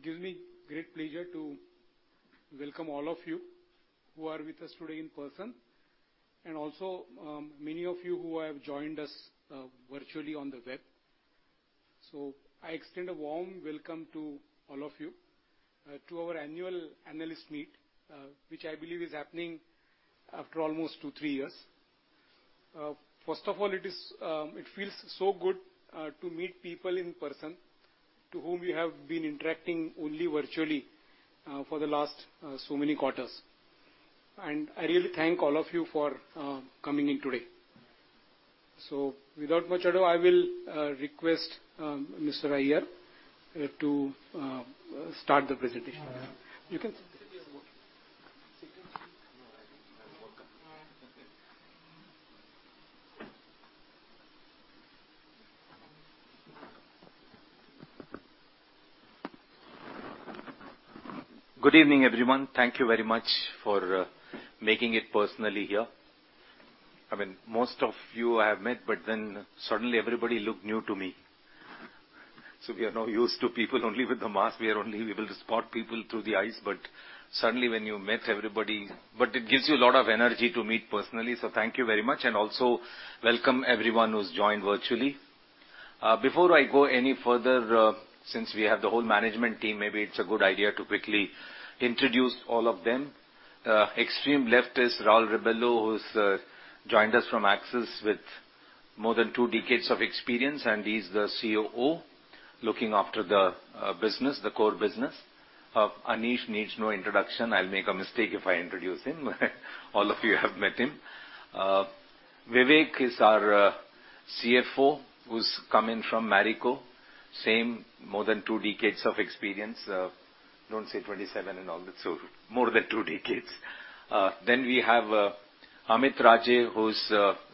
It gives me great pleasure to welcome all of you who are with us today in person, and also, many of you who have joined us, virtually on the web. I extend a warm welcome to all of you, to our annual analyst meet, which I believe is happening after almost two, three years. First of all, it feels so good to meet people in person to whom we have been interacting only virtually, for the last so many quarters. I really thank all of you for coming in today. Without much a do, I will request Mr. Iyer here to start the presentation. Good evening, everyone. Thank you very much for making it personally here. I mean, most of you I have met, but then suddenly everybody look new to me. We are now used to people only with the mask. We are only able to spot people through the eyes, but suddenly when you met everybody. It gives you a lot of energy to meet personally, so thank you very much. Also welcome everyone who's joined virtually. Before I go any further, since we have the whole management team, maybe it's a good idea to quickly introduce all of them. Extreme left is Raul Rebello, who's joined us from Axis with more than two decades of experience, and he's the COO looking after the business, the core business. Anish needs no introduction. I'll make a mistake if I introduce him. All of you have met him. Vivek is our CFO, who's coming from Marico. Same, more than two decades of experience. Don't say 27 and all that, so more than two decades. Then we have Amit Raje, who's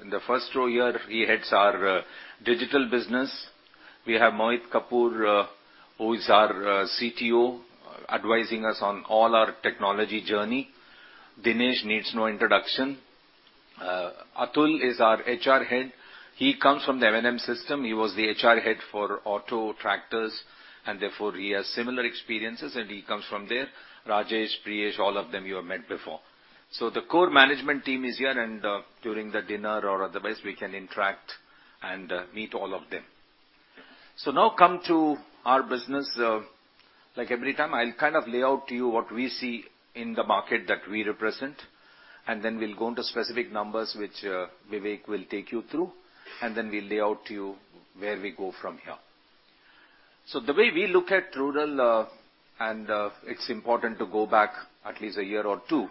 in the first row here. He heads our digital business. We have Mohit Kapoor, who is our CTO, advising us on all our technology journey. Dinesh needs no introduction. Atul is our HR head. He comes from the M&M system. He was the HR head for auto tractors, and therefore he has similar experiences, and he comes from there. Rajesh, Priyesh, all of them you have met before. The core management team is here, and during the dinner or otherwise, we can interact and meet all of them. Now come to our business. Like every time, I'll kind of lay out to you what we see in the market that we represent, and then we'll go into specific numbers, which, Vivek will take you through, and then we'll lay out to you where we go from here. The way we look at rural and, it's important to go back at least a year or two.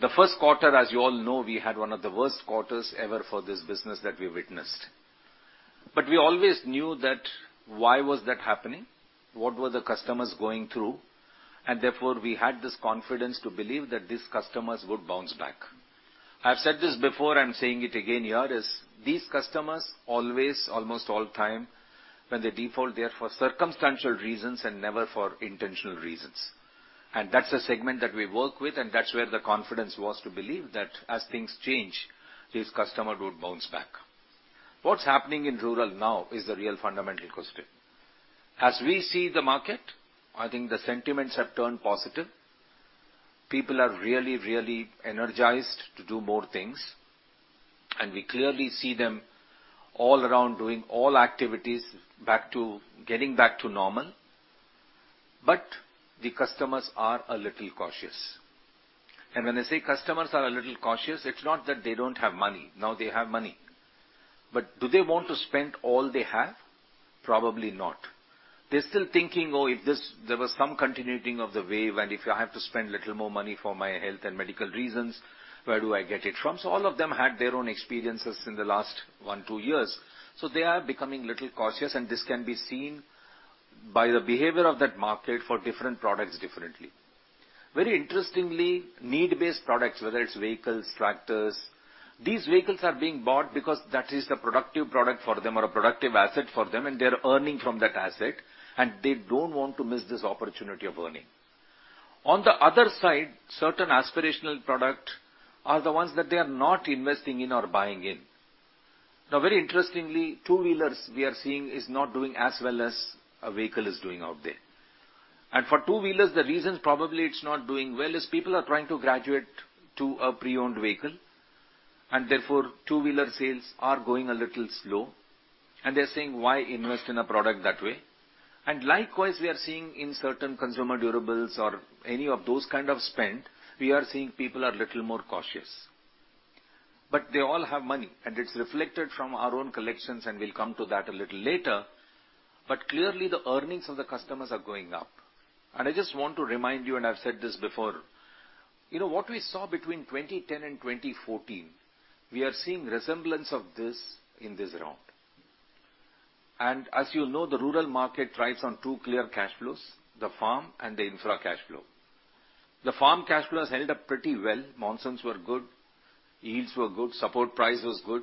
The first quarter, as you all know, we had one of the worst quarters ever for this business that we witnessed. We always knew that why was that happening? What were the customers going through? Therefore, we had this confidence to believe that these customers would bounce back. I've said this before and saying it again here is, these customers always, almost all time, when they default, they are for circumstantial reasons and never for intentional reasons. That's a segment that we work with, and that's where the confidence was to believe that as things change, these customers would bounce back. What's happening in rural now is the real fundamental question. As we see the market, I think the sentiments have turned positive. People are really, really energized to do more things, and we clearly see them all around doing all activities getting back to normal. The customers are a little cautious. When I say customers are a little cautious, it's not that they don't have money. No, they have money. But do they want to spend all they have? Probably not. They're still thinking, "Oh, if there was some continuing of the wave, and if I have to spend a little more money for my health and medical reasons, where do I get it from?" All of them had their own experiences in the last one, two years. They are becoming little cautious, and this can be seen by the behavior of that market for different products differently. Very interestingly, need-based products, whether it's vehicles, tractors, these vehicles are being bought because that is the productive product for them or a productive asset for them, and they're earning from that asset, and they don't want to miss this opportunity of earning. On the other side, certain aspirational product are the ones that they are not investing in or buying in. Now, very interestingly, two-wheelers we are seeing is not doing as well as a vehicle is doing out there. For two-wheelers, the reasons probably it's not doing well is people are trying to graduate to a pre-owned vehicle, and therefore, two-wheeler sales are going a little slow, and they're saying, "Why invest in a product that way?" Likewise, we are seeing in certain consumer durables or any of those kind of spend, we are seeing people are little more cautious. They all have money, and it's reflected from our own collections, and we'll come to that a little later. Clearly, the earnings of the customers are going up. I just want to remind you, and I've said this before, you know, what we saw between 2010 and 2014, we are seeing resemblance of this in this round. As you know, the rural market thrives on two clear cash flows: the farm and the infra cash flow. The farm cash flows held up pretty well. Monsoons were good. Yields were good, support price was good.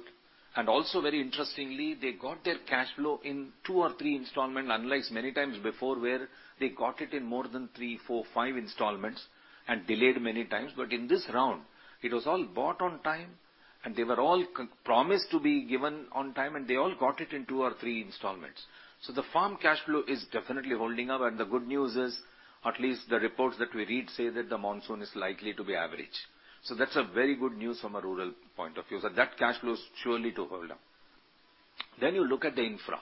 Also very interestingly, they got their cash flow in two or three installments, unlike many times before where they got it in more than three, four, five installments and delayed many times. In this round, it was all brought on time, and they were all promised to be given on time, and they all got it in two or three installments. The farm cash flow is definitely holding up, and the good news is at least the reports that we read say that the monsoon is likely to be average. That's a very good news from a rural point of view. That cash flow is surely to hold up. You look at the infra.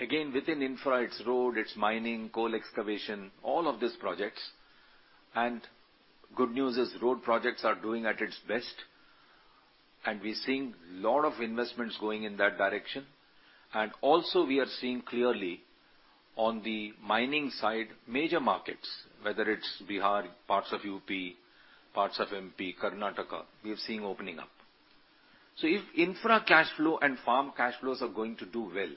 Again, within infra, it's road, it's mining, coal excavation, all of these projects. Good news is road projects are doing at its best, and we're seeing lot of investments going in that direction. We are seeing clearly on the mining side, major markets, whether it's Bihar, parts of UP, parts of MP, Karnataka, we are seeing opening up. If infra cash flow and farm cash flows are going to do well,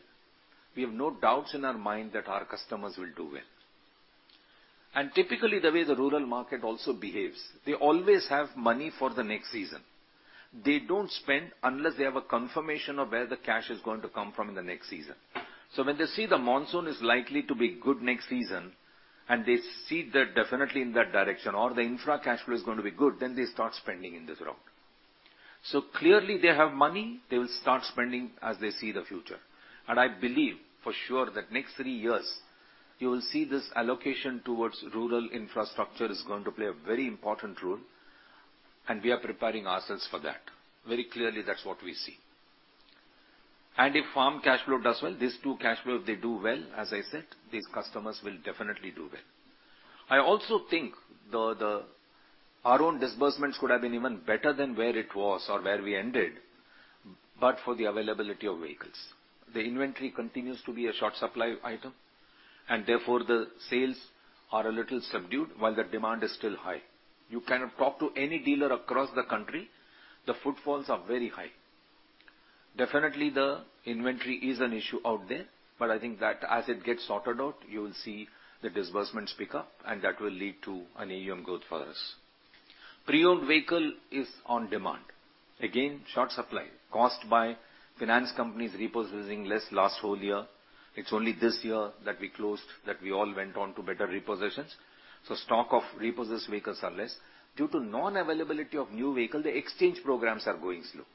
we have no doubts in our mind that our customers will do well. Typically, the way the rural market also behaves, they always have money for the next season. They don't spend unless they have a confirmation of where the cash is going to come from in the next season. When they see the monsoon is likely to be good next season, and they see they're definitely in that direction, or the infra cash flow is gonna be good, then they start spending in this round. Clearly they have money, they will start spending as they see the future. I believe for sure that next three years, you will see this allocation towards rural infrastructure is going to play a very important role, and we are preparing ourselves for that. Very clearly, that's what we see. If farm cash flow does well, these two cash flows, they do well, as I said, these customers will definitely do well. I also think our own disbursements could have been even better than where it was or where we ended, but for the availability of vehicles. The inventory continues to be a short supply item, and therefore, the sales are a little subdued while the demand is still high. You kind of talk to any dealer across the country. The footfalls are very high. Definitely, the inventory is an issue out there, but I think that as it gets sorted out, you will see the disbursements pick up, and that will lead to an AUM growth for us. Pre-owned vehicle is in demand. Again, short supply caused by finance companies repossessing less last whole year. It's only this year that we all went on to better repossessions. Stock of repossessed vehicles are less. Due to non-availability of new vehicle, the exchange programs are going slow.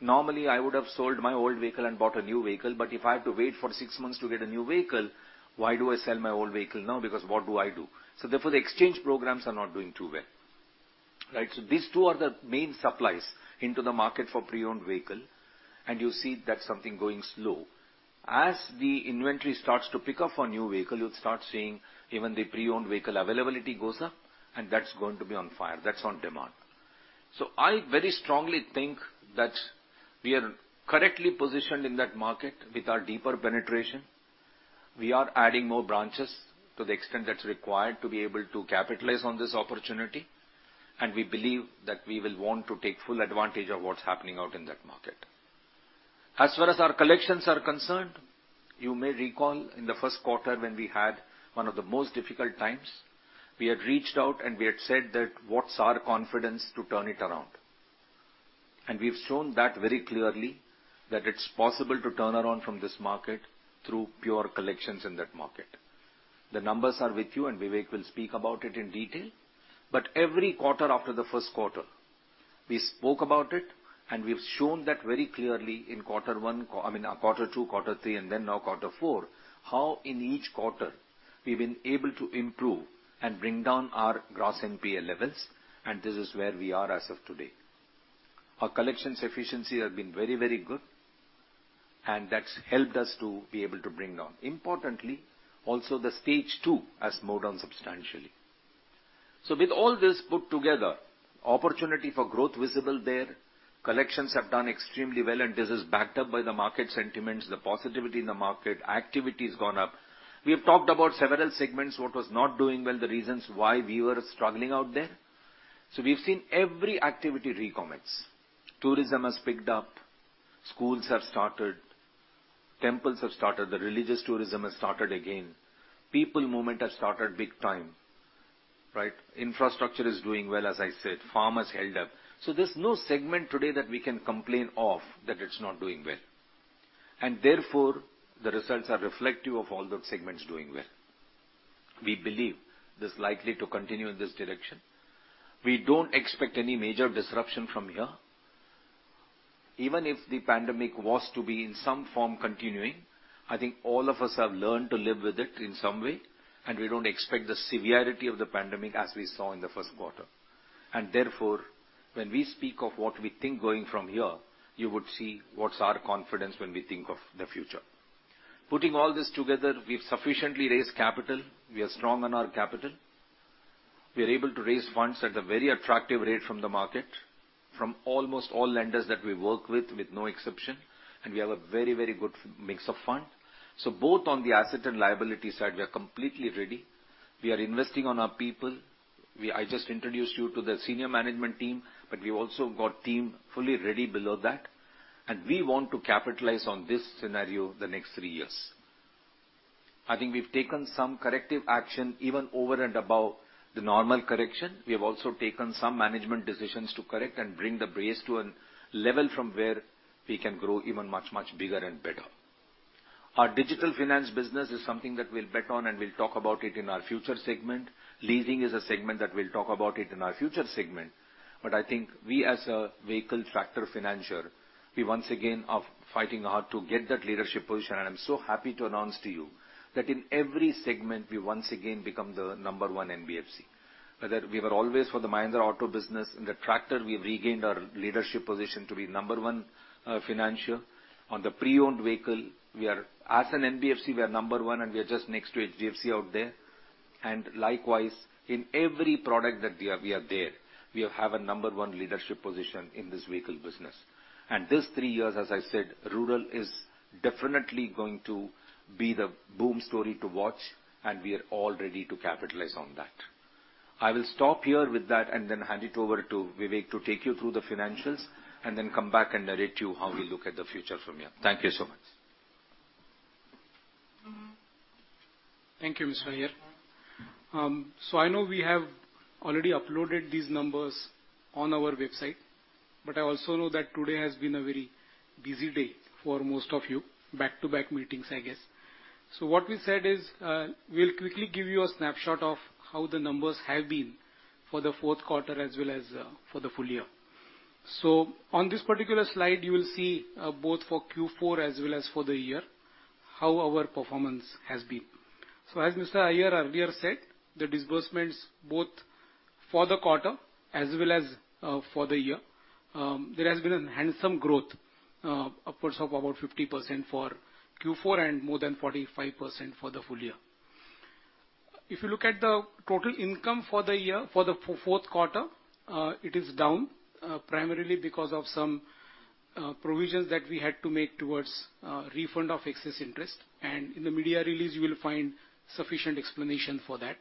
Normally, I would have sold my old vehicle and bought a new vehicle, but if I have to wait for six months to get a new vehicle, why do I sell my old vehicle now? Because what do I do? Therefore, the exchange programs are not doing too well, right? These two are the main supplies into the market for pre-owned vehicle, and you see that something going slow. As the inventory starts to pick up on new vehicle, you'll start seeing even the pre-owned vehicle availability goes up, and that's going to be on fire. That's on demand. I very strongly think that we are correctly positioned in that market with our deeper penetration. We are adding more branches to the extent that's required to be able to capitalize on this opportunity, and we believe that we will want to take full advantage of what's happening out in that market. As far as our collections are concerned, you may recall in the first quarter when we had one of the most difficult times, we had reached out and we had said that what's our confidence to turn it around? We've shown that very clearly that it's possible to turn around from this market through pure collections in that market. The numbers are with you, and Vivek will speak about it in detail. Every quarter after the first quarter, we spoke about it, and we've shown that very clearly in quarter one, I mean, quarter two, quarter three, and then now quarter four, how in each quarter we've been able to improve and bring down our gross NPA levels, and this is where we are as of today. Our collections efficiency has been very, very good, and that's helped us to be able to bring down. Importantly, also the stage two has moved down substantially. With all this put together, opportunity for growth visible there, collections have done extremely well, and this is backed up by the market sentiments, the positivity in the market, activity has gone up. We have talked about several segments, what was not doing well, the reasons why we were struggling out there. We've seen every activity recommence. Tourism has picked up. Schools have started. Temples have started. The religious tourism has started again. People movement has started big time, right? Infrastructure is doing well, as I said. Farm has held up. There's no segment today that we can complain of that it's not doing well. Therefore, the results are reflective of all those segments doing well. We believe this likely to continue in this direction. We don't expect any major disruption from here. Even if the pandemic was to be in some form continuing, I think all of us have learned to live with it in some way, and we don't expect the severity of the pandemic as we saw in the first quarter. Therefore, when we speak of what we think going from here, you would see what's our confidence when we think of the future. Putting all this together, we've sufficiently raised capital. We are strong on our capital. We are able to raise funds at a very attractive rate from the market, from almost all lenders that we work with no exception, and we have a very, very good mix of fund. So both on the asset and liability side, we are completely ready. We are investing on our people. I just introduced you to the senior management team, but we've also got team fully ready below that, and we want to capitalize on this scenario the next three years. I think we've taken some corrective action even over and above the normal correction. We have also taken some management decisions to correct and bring the base to a level from where we can grow even much, much bigger and better. Our digital finance business is something that we'll bet on, and we'll talk about it in our future segment. Leasing is a segment that we'll talk about it in our future segment. I think we as a vehicle factor financier, we once again are fighting hard to get that leadership position. I'm so happy to announce to you that in every segment, we once again become the number one NBFC. Whether we were always for the Mahindra auto business. In the tractor, we've regained our leadership position to be number one, financier. On the pre-owned vehicle, we are as an NBFC, we are number one, and we are just next to HDFC out there. Likewise, in every product that we are, we are there. We have a number one leadership position in this vehicle business. This three years, as I said, rural is definitely going to be the boom story to watch, and we are all ready to capitalize on that. I will stop here with that and then hand it over to Vivek to take you through the financials and then come back and narrate to you how we look at the future from here. Thank you so much. Thank you, Mr. Iyer. I know we have already uploaded these numbers on our website, but I also know that today has been a very busy day for most of you, back-to-back meetings, I guess. What we said is, we'll quickly give you a snapshot of how the numbers have been for the fourth quarter as well as for the full year. On this particular slide, you will see both for Q4 as well as for the year, how our performance has been. As Mr. Iyer earlier said, the disbursements both for the quarter as well as for the year, there has been a handsome growth, of course, of about 50% for Q4 and more than 45% for the full year. If you look at the total income for the year, for the fourth quarter, it is down, primarily because of some provisions that we had to make towards refund of excess interest. In the media release, you will find sufficient explanation for that.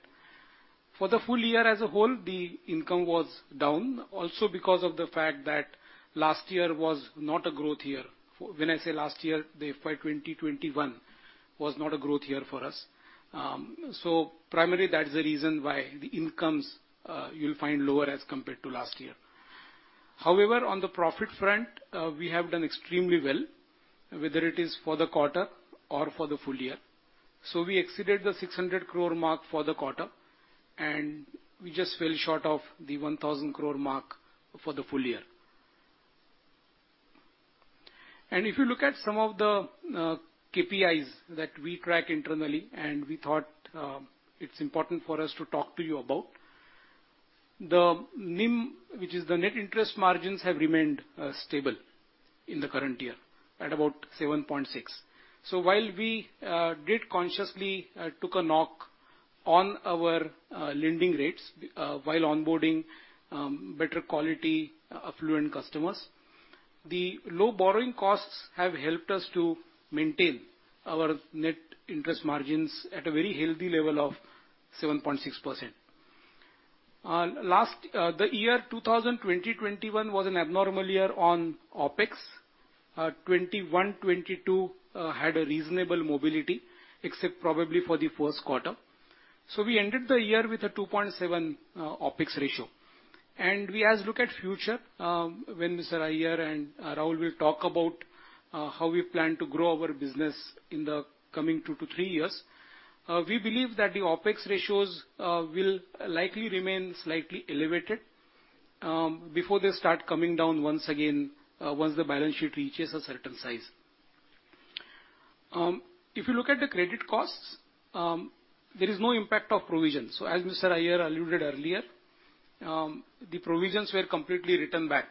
For the full year as a whole, the income was down also because of the fact that last year was not a growth year. When I say last year, the FY 2021 was not a growth year for us. Primarily, that is the reason why the incomes you'll find lower as compared to last year. However, on the profit front, we have done extremely well, whether it is for the quarter or for the full year. We exceeded the 600 crore mark for the quarter, and we just fell short of the 1,000 crore mark for the full year. If you look at some of the KPIs that we track internally and we thought it's important for us to talk to you about, the NIM, which is the net interest margins, have remained stable in the current year at about 7.6%. While we did consciously took a knock on our lending rates while onboarding better quality affluent customers, the low borrowing costs have helped us to maintain our net interest margins at a very healthy level of 7.6%. The year 2021 was an abnormal year on OpEx. 2021, 2022 had a reasonable stability, except probably for the first quarter. We ended the year with a 2.7% OpEx ratio. As we look at the future, when Mr. Iyer and Raul Rebello will talk about how we plan to grow our business in the coming two to thr years, we believe that the OpEx ratios will likely remain slightly elevated before they start coming down once again, once the balance sheet reaches a certain size. If you look at the credit costs, there is no impact of provisions. As Mr. Iyer alluded earlier, the provisions were completely written back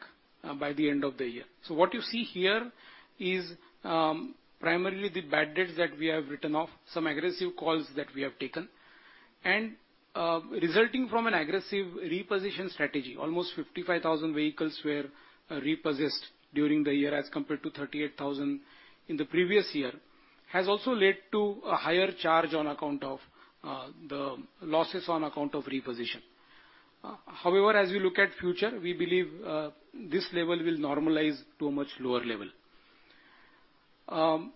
by the end of the year. What you see here is primarily the bad debts that we have written off, some aggressive calls that we have taken, and resulting from an aggressive repossession strategy. Almost 55,000 vehicles were repossessed during the year as compared to 38,000 in the previous year, has also led to a higher charge on account of the losses on account of repossession. However, as we look at future, we believe this level will normalize to a much lower level.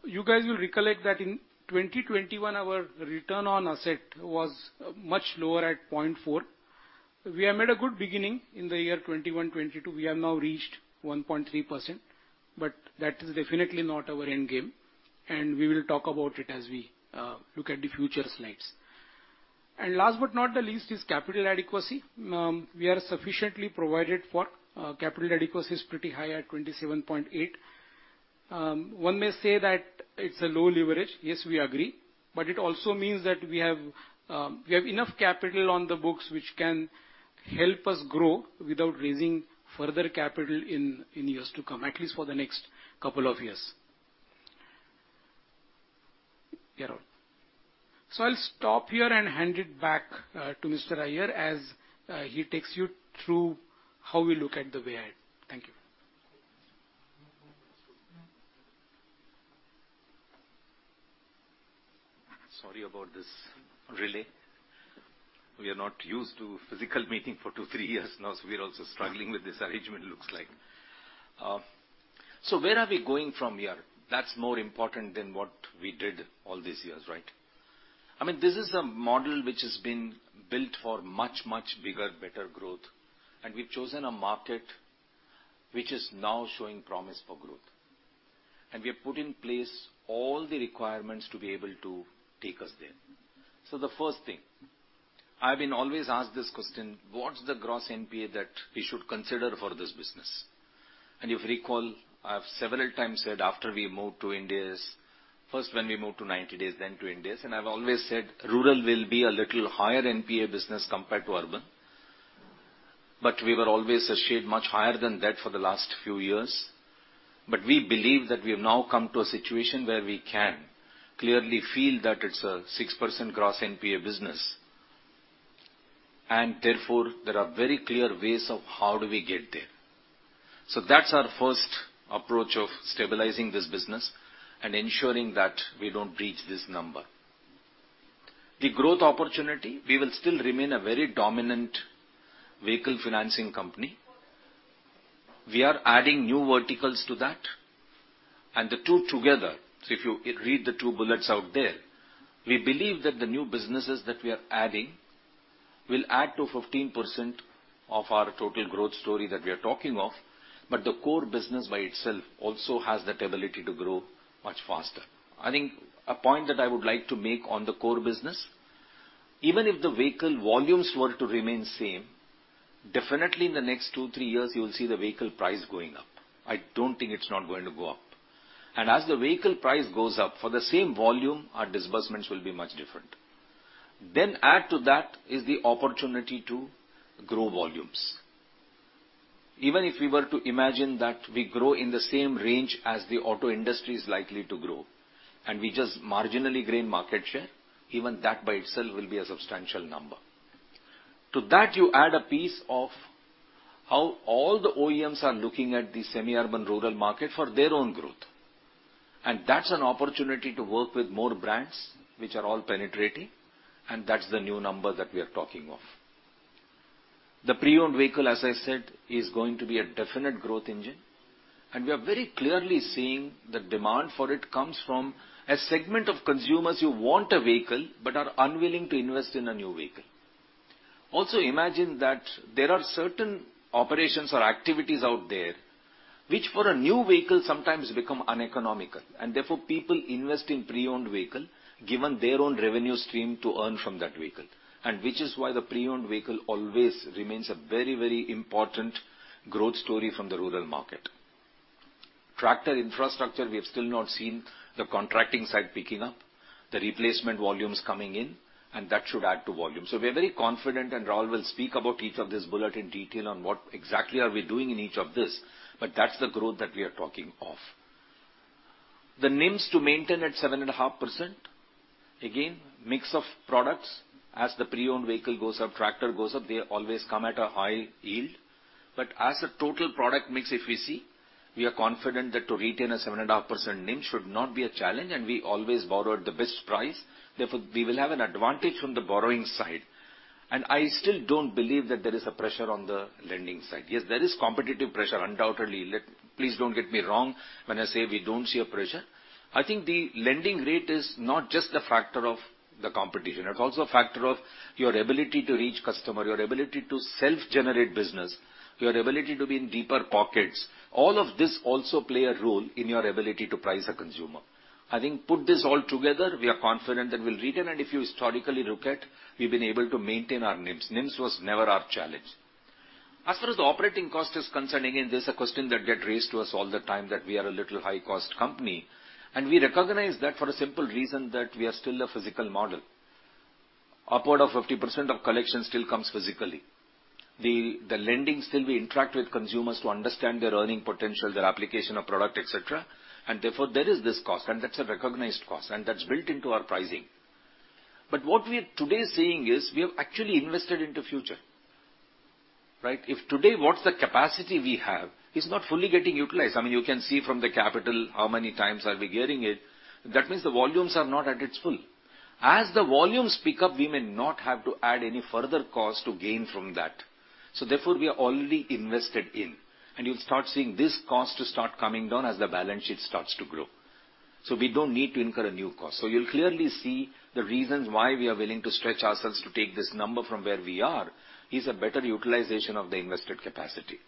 You guys will recollect that in 2021, our return on asset was much lower at 0.4. We have made a good beginning in the year 2021-22. We have now reached 1.3%, but that is definitely not our end game, and we will talk about it as we look at the future slides. Last but not the least is capital adequacy. We are sufficiently provided for. Capital adequacy is pretty high at 27.8. One may say that it's a low leverage. Yes, we agree, but it also means that we have enough capital on the books which can help us grow without raising further capital in years to come, at least for the next couple of years. Yeah, Raul Rebello. I'll stop here and hand it back to Mr. Iyer as he takes you through how we look at the way ahead. Thank you. Sorry about this relay. We are not used to physical meeting for two-three years now, so we are also struggling with this arrangement, looks like. Where are we going from here? That's more important than what we did all these years, right? I mean, this is a model which has been built for much, much bigger, better growth, and we've chosen a market which is now showing promise for growth. We have put in place all the requirements to be able to take us there. The first thing, I've been always asked this question, "What's the gross NPA that we should consider for this business?" If you recall, I have several times said after we moved to Ind AS, first when we moved to 90 days, then to Ind AS, and I've always said rural will be a little higher NPA business compared to urban. We were always a shade much higher than that for the last few years. We believe that we have now come to a situation where we can clearly feel that it's a 6% gross NPA business, and therefore, there are very clear ways of how do we get there. That's our first approach of stabilizing this business and ensuring that we don't breach this number. The growth opportunity, we will still remain a very dominant vehicle financing company. We are adding new verticals to that. The two together, if you read the two bullets out there, we believe that the new businesses that we are adding will add to 15% of our total growth story that we are talking of, but the core business by itself also has that ability to grow much faster. I think a point that I would like to make on the core business, even if the vehicle volumes were to remain same, definitely in the next two-three years, you will see the vehicle price going up. I don't think it's not going to go up. As the vehicle price goes up, for the same volume, our disbursements will be much different. Add to that is the opportunity to grow volumes. Even if we were to imagine that we grow in the same range as the auto industry is likely to grow, and we just marginally gain market share, even that by itself will be a substantial number. To that you add a piece of how all the OEMs are looking at the semi-urban rural market for their own growth. That's an opportunity to work with more brands which are all penetrating, and that's the new number that we are talking of. The pre-owned vehicle, as I said, is going to be a definite growth engine, and we are very clearly seeing the demand for it comes from a segment of consumers who want a vehicle but are unwilling to invest in a new vehicle. Also, imagine that there are certain operations or activities out there which for a new vehicle sometimes become uneconomical, and therefore people invest in pre-owned vehicle given their own revenue stream to earn from that vehicle, and which is why the pre-owned vehicle always remains a very, very important growth story from the rural market. Tractor infrastructure, we have still not seen the contracting side picking up, the replacement volumes coming in, and that should add to volume. We are very confident, and Raul will speak about each of these bullets in detail on what exactly are we doing in each of this, but that's the growth that we are talking of. The NIMs to maintain at 7.5%, again, mix of products. As the pre-owned vehicle goes up, tractor goes up, they always come at a high yield. But as a total product mix, if we see, we are confident that to retain a 7.5% NIM should not be a challenge, and we always borrow at the best price. Therefore, we will have an advantage from the borrowing side. I still don't believe that there is a pressure on the lending side. Yes, there is competitive pressure, undoubtedly. Please don't get me wrong when I say we don't see a pressure. I think the lending rate is not just a factor of the competition, it's also a factor of your ability to reach customer, your ability to self-generate business, your ability to be in deeper pockets. All of this also play a role in your ability to price a consumer. I think put this all together, we are confident that we'll retain it. If you historically look at, we've been able to maintain our NIMs. NIMs was never our challenge. As far as the operating cost is concerned, again, this is a question that get raised to us all the time that we are a little high-cost company, and we recognize that for a simple reason that we are still a physical model. Upward of 50% of collection still comes physically. The lending still we interact with consumers to understand their earning potential, their application of product, et cetera. Therefore, there is this cost, and that's a recognized cost, and that's built into our pricing. What we're today seeing is, we have actually invested into future, right? If today what's the capacity we have is not fully getting utilized, I mean, you can see from the capital how many times are we gearing it, that means the volumes are not at its full. As the volumes pick up, we may not have to add any further cost to gain from that. Therefore, we are already invested in, and you'll start seeing this cost to start coming down as the balance sheet starts to grow. We don't need to incur a new cost. You'll clearly see the reasons why we are willing to stretch ourselves to take this number from where we are, is a better utilization of the invested capacity.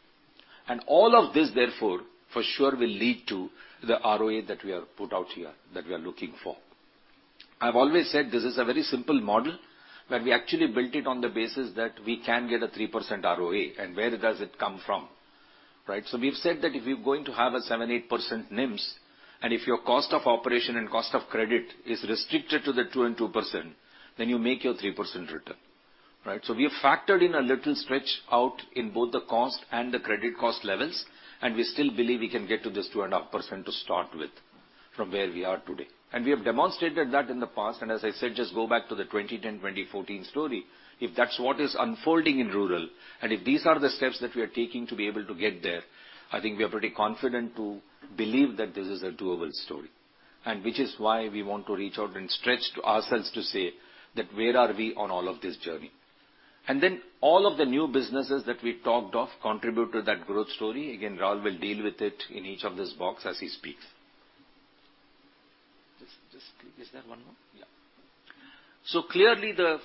All of this, therefore, for sure will lead to the ROA that we have put out here, that we are looking for. I've always said this is a very simple model, but we actually built it on the basis that we can get a 3% ROA, and where does it come from, right? We've said that if we're going to have a 7%-8% NIMs, and if your cost of operation and cost of credit is restricted to the 2% and 2%, then you make your 3% return, right? We have factored in a little stretch out in both the cost and the credit cost levels, and we still believe we can get to this 2.5% to start with from where we are today. We have demonstrated that in the past. As I said, just go back to the 2010, 2014 story. If that's what is unfolding in rural, and if these are the steps that we are taking to be able to get there, I think we are pretty confident to believe that this is a doable story. Which is why we want to reach out and stretch to ourselves to say that where are we on all of this journey? Then all of the new businesses that we talked of contribute to that growth story. Again, Raul will deal with it in each of these boxes as he speaks. Just click. Is there one more? Yeah. Clearly, the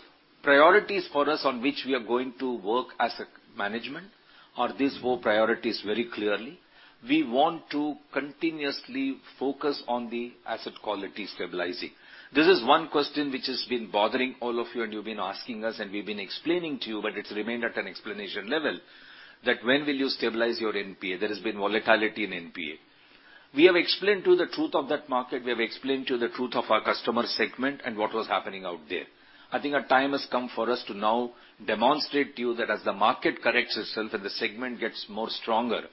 priorities for us on which we are going to work as a management are these four priorities very clearly. We want to continuously focus on the asset quality stabilizing. This is one question which has been bothering all of you, and you've been asking us, and we've been explaining to you, but it's remained at an explanation level, that when will you stabilize your NPA? There has been volatility in NPA. We have explained to you the truth of that market. We have explained to you the truth of our customer segment and what was happening out there. I think a time has come for us to now demonstrate to you that as the market corrects itself and the segment gets more stronger,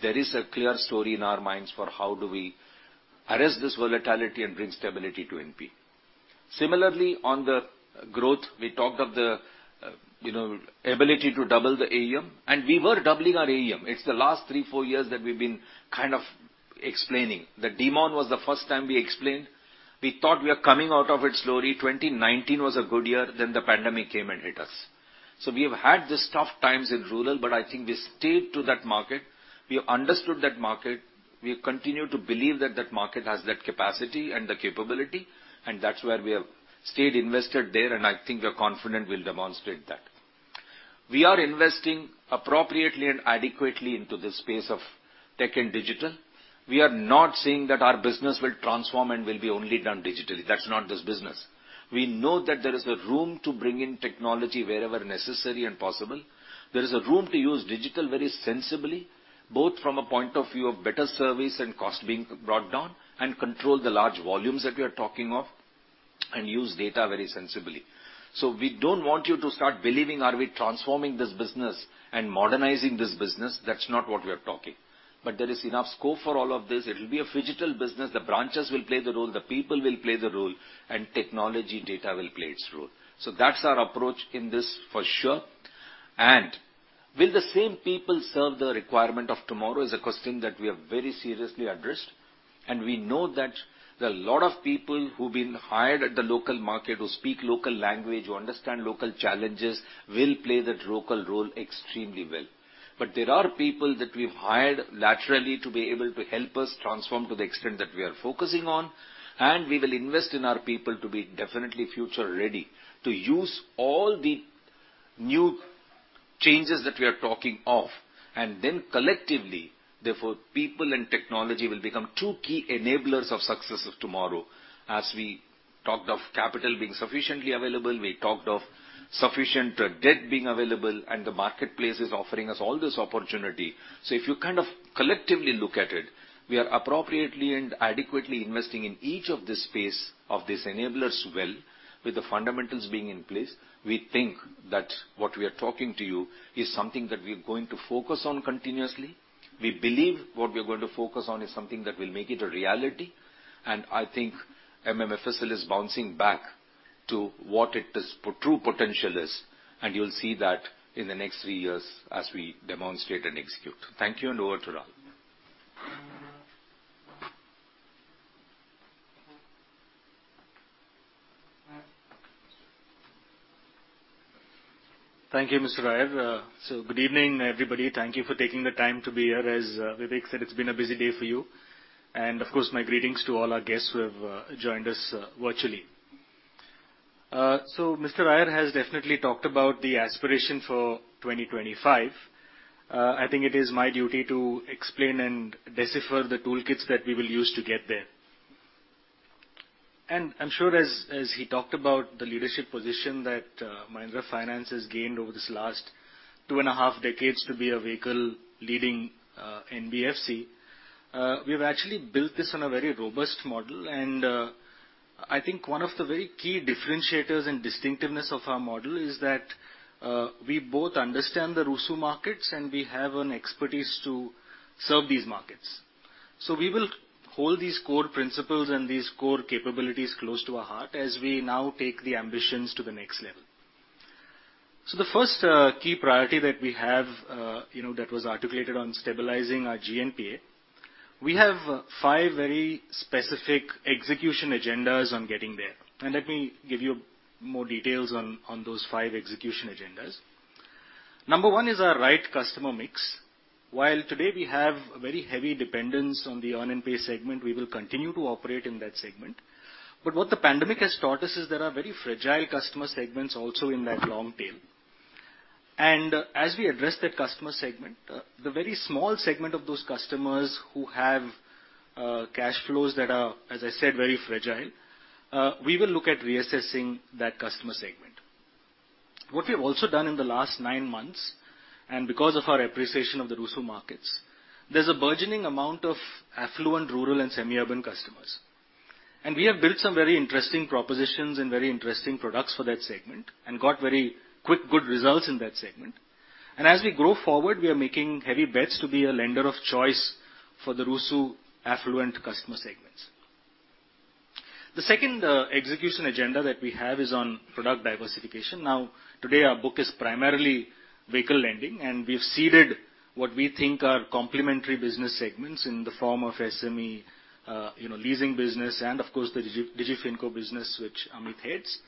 there is a clear story in our minds for how do we arrest this volatility and bring stability to NPA. Similarly, on the growth, we talked of the, you know, ability to double the AUM, and we were doubling our AUM. It's the last three, four years that we've been kind of explaining. Demonetization was the first time we experienced. We thought we are coming out of it slowly. 2019 was a good year, then the pandemic came and hit us. We have had these tough times in rural, but I think we stayed true to that market. We have understood that market. We continue to believe that that market has that capacity and the capability, and that's where we have stayed invested there, and I think we're confident we'll demonstrate that. We are investing appropriately and adequately into the space of tech and digital. We are not saying that our business will transform and will be only done digitally. That's not this business. We know that there is a room to bring in technology wherever necessary and possible. There is a room to use digital very sensibly, both from a point of view of better service and cost being brought down, and control the large volumes that we are talking of, and use data very sensibly. We don't want you to start believing, are we transforming this business and modernizing this business? That's not what we are talking. There is enough scope for all of this. It will be a phygital business. The branches will play the role, the people will play the role, and technology data will play its role. That's our approach in this for sure. Will the same people serve the requirement of tomorrow? It's a question that we have very seriously addressed, and we know that there are a lot of people who've been hired at the local market, who speak local language, who understand local challenges, will play that local role extremely well. But there are people that we've hired laterally to be able to help us transform to the extent that we are focusing on, and we will invest in our people to be definitely future ready to use all the new changes that we are talking of. Collectively, therefore, people and technology will become two key enablers of successes tomorrow. As we talked of capital being sufficiently available, we talked of sufficient debt being available, and the marketplace is offering us all this opportunity. If you kind of collectively look at it, we are appropriately and adequately investing in each of these spaces of these enablers well, with the fundamentals being in place. We think that what we are talking to you is something that we're going to focus on continuously. We believe what we are going to focus on is something that will make it a reality, and I think MMFSL is bouncing back to what its true potential is, and you'll see that in the next three years as we demonstrate and execute. Thank you, and over to Raul. Thank you, Mr. Iyer. Good evening, everybody. Thank you for taking the time to be here. As Vivek said, it's been a busy day for you. Of course, my greetings to all our guests who have joined us virtually. Mr. Iyer has definitely talked about the aspiration for 2025. I think it is my duty to explain and decipher the toolkits that we will use to get there. I'm sure as he talked about the leadership position that Mahindra Finance has gained over this last 2.5 decades to be a vehicle-leading NBFC, we've actually built this on a very robust model. I think one of the very key differentiators and distinctiveness of our model is that we both understand the RUSU markets and we have an expertise to serve these markets. We will hold these core principles and these core capabilities close to our heart as we now take the ambitions to the next level. The first key priority that we have that was articulated on stabilizing our GNPA, we have five very specific execution agendas on getting there. Let me give you more details on those five execution agendas. Number one is our right customer mix. While today we have a very heavy dependence on the earn and pay segment, we will continue to operate in that segment. What the pandemic has taught us is there are very fragile customer segments also in that long tail. As we address that customer segment, the very small segment of those customers who have cash flows that are, as I said, very fragile, we will look at reassessing that customer segment. What we have also done in the last nine months, and because of our appreciation of the RUSU markets, there's a burgeoning amount of affluent rural and semi-urban customers. We have built some very interesting propositions and very interesting products for that segment and got very quick good results in that segment. As we grow forward, we are making heavy bets to be a lender of choice for the RUSU affluent customer segments. The second execution agenda that we have is on product diversification. Now, today our book is primarily vehicle lending, and we've seeded what we think are complementary business segments in the form of SME, you know, leasing business and of course the DigiFinco business, which Amit heads.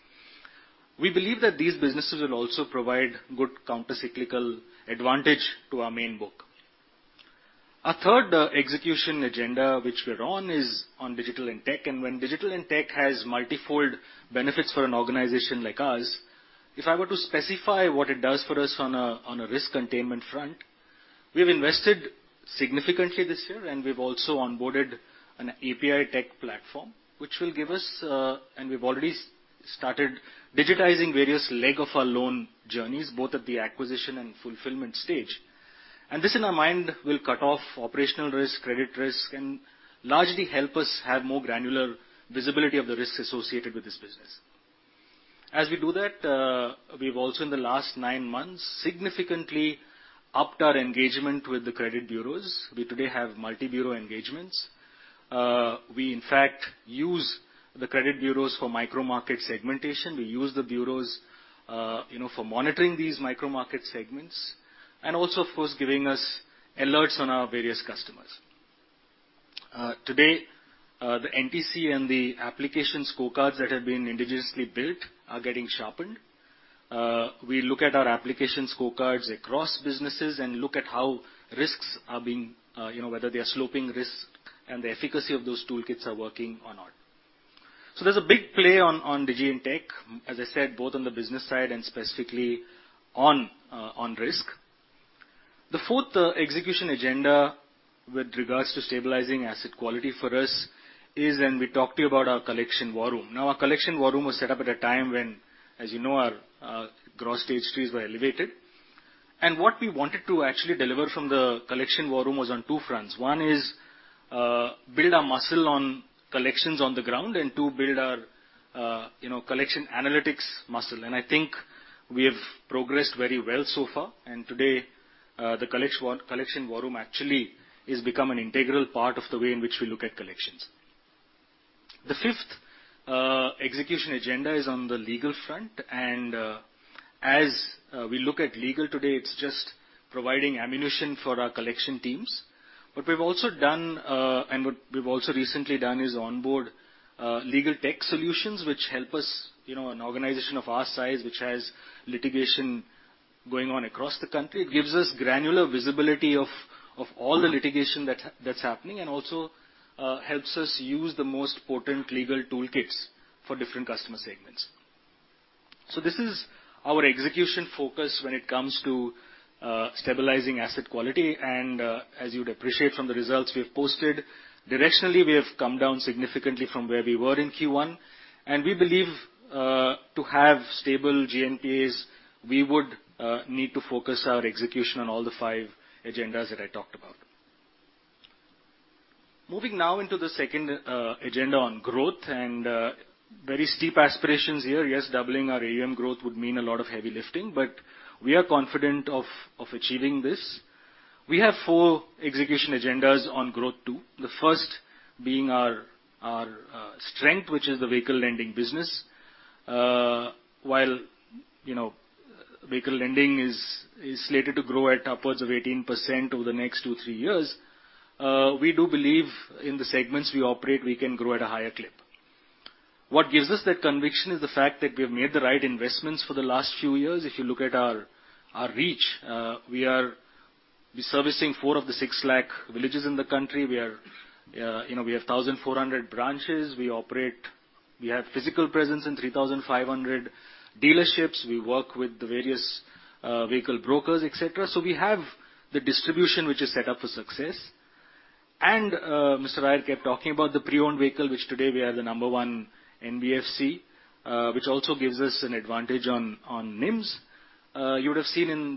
We believe that these businesses will also provide good counter-cyclical advantage to our main book. Our third execution agenda, which we're on, is on digital and tech, and when digital and tech has multi-fold benefits for an organization like ours, if I were to specify what it does for us on a, on a risk containment front, we've invested significantly this year, and we've also onboarded an API tech platform which will give us. We've already started digitizing various legs of our loan journeys, both at the acquisition and fulfillment stage. This, in our mind, will cut off operational risk, credit risk, and largely help us have more granular visibility of the risks associated with this business. As we do that, we've also, in the last nine months, significantly upped our engagement with the credit bureaus. We today have multi-bureau engagements. We in fact use the credit bureaus for micro-market segmentation. We use the bureaus, you know, for monitoring these micro-market segments and also, of course, giving us alerts on our various customers. Today, the NPA and the application scorecards that have been indigenously built are getting sharpened. We look at our application scorecards across businesses and look at how risks are being, you know, whether they are sloping risk and the efficacy of those toolkits are working or not. There's a big play on Digi and tech, as I said, both on the business side and specifically on risk. The fourth execution agenda with regards to stabilizing asset quality for us is when we talk to you about our collection war room. Now, our collection war room was set up at a time when, as you know, our gross stage 3s were elevated. What we wanted to actually deliver from the collection war room was on two fronts. One is build our muscle on collections on the ground and, two, build our you know, collection analytics muscle. I think we have progressed very well so far. Today, the collection war room actually is become an integral part of the way in which we look at collections. The fifth execution agenda is on the legal front. As we look at legal today, it's just providing ammunition for our collection teams. What we've also done, and what we've also recently done is onboard legal tech solutions which help us, you know, an organization of our size which has litigation going on across the country. It gives us granular visibility of all the litigation that's happening, and also helps us use the most potent legal toolkits for different customer segments. This is our execution focus when it comes to stabilizing asset quality. As you'd appreciate from the results we have posted, directionally, we have come down significantly from where we were in Q1. We believe, to have stable GNPA, we wod need to focus our execution on all the five agendas that I talked about. Moving now into the second agenda on growth and very steep aspirations here. Yes, doubling our AUM growth would mean a lot of heavy lifting, but we are confident of achieving this. We have four execution agendas on growth too. The first being our strength, which is the vehicle lending business. While, you know, vehicle lending is slated to grow at upwards of 18% over the next two-three years, we do believe in the segments we operate, we can grow at a higher clip. What gives us that conviction is the fact that we have made the right investments for the last few years. If you look at our reach, we are servicing four of the six lakh villages in the country. We are, you know, we have 1,400 branches. We operate... We have physical presence in 3,500 dealerships. We work with the various vehicle brokers, et cetera. We have the distribution which is set up for success. Mr. Iyer kept talking about the pre-owned vehicle, which today we are the number one NBFC, which also gives us an advantage on NIMs. You would have seen in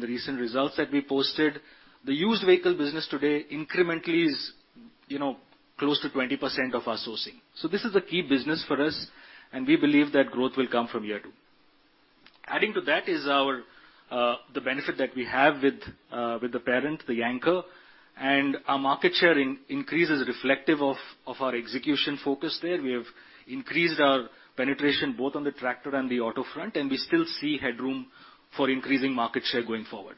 the recent results that we posted, the used vehicle business today incrementally is, you know, close to 20% of our sourcing. This is a key business for us, and we believe that growth will come from here too. Adding to that is the benefit that we have with the parent, the anchor, and our market share increases reflective of our execution focus there. We have increased our penetration both on the tractor and the auto front, and we still see headroom for increasing market share going forward.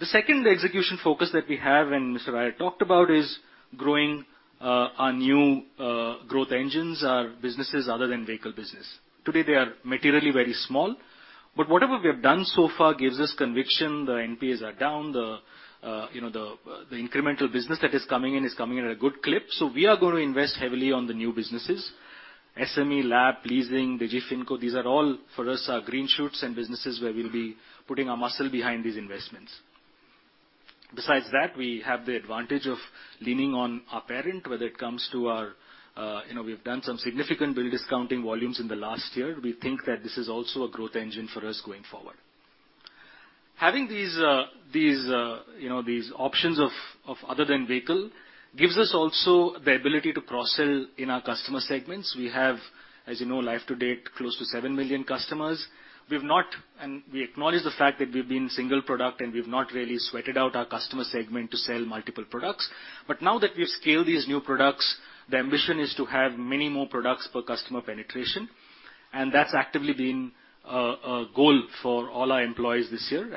The second execution focus that we have, and Mr. Raje talked about, is growing our new growth engines, our businesses other than vehicle business. Today, they are materially very small, but whatever we have done so far gives us conviction. The NPAs are down. The you know, the incremental business that is coming in is coming in at a good clip. We are gonna invest heavily on the new businesses. SME, LAP, Leasing, DigiFinco, these are all for us are green shoots and businesses where we'll be putting our muscle behind these investments. Besides that, we have the advantage of leaning on our parent, whether it comes to our, we've done some significant bill discounting volumes in the last year. We think that this is also a growth engine for us going forward. Having these options of other than vehicle gives us also the ability to cross-sell in our customer segments. We have, as you know, live to date, close to seven million customers. We acknowledge the fact that we've been single product, and we've not really sweated out our customer segment to sell multiple products. Now that we've scaled these new products, the ambition is to have many more products per customer penetration, and that's actively been a goal for all our employees this year.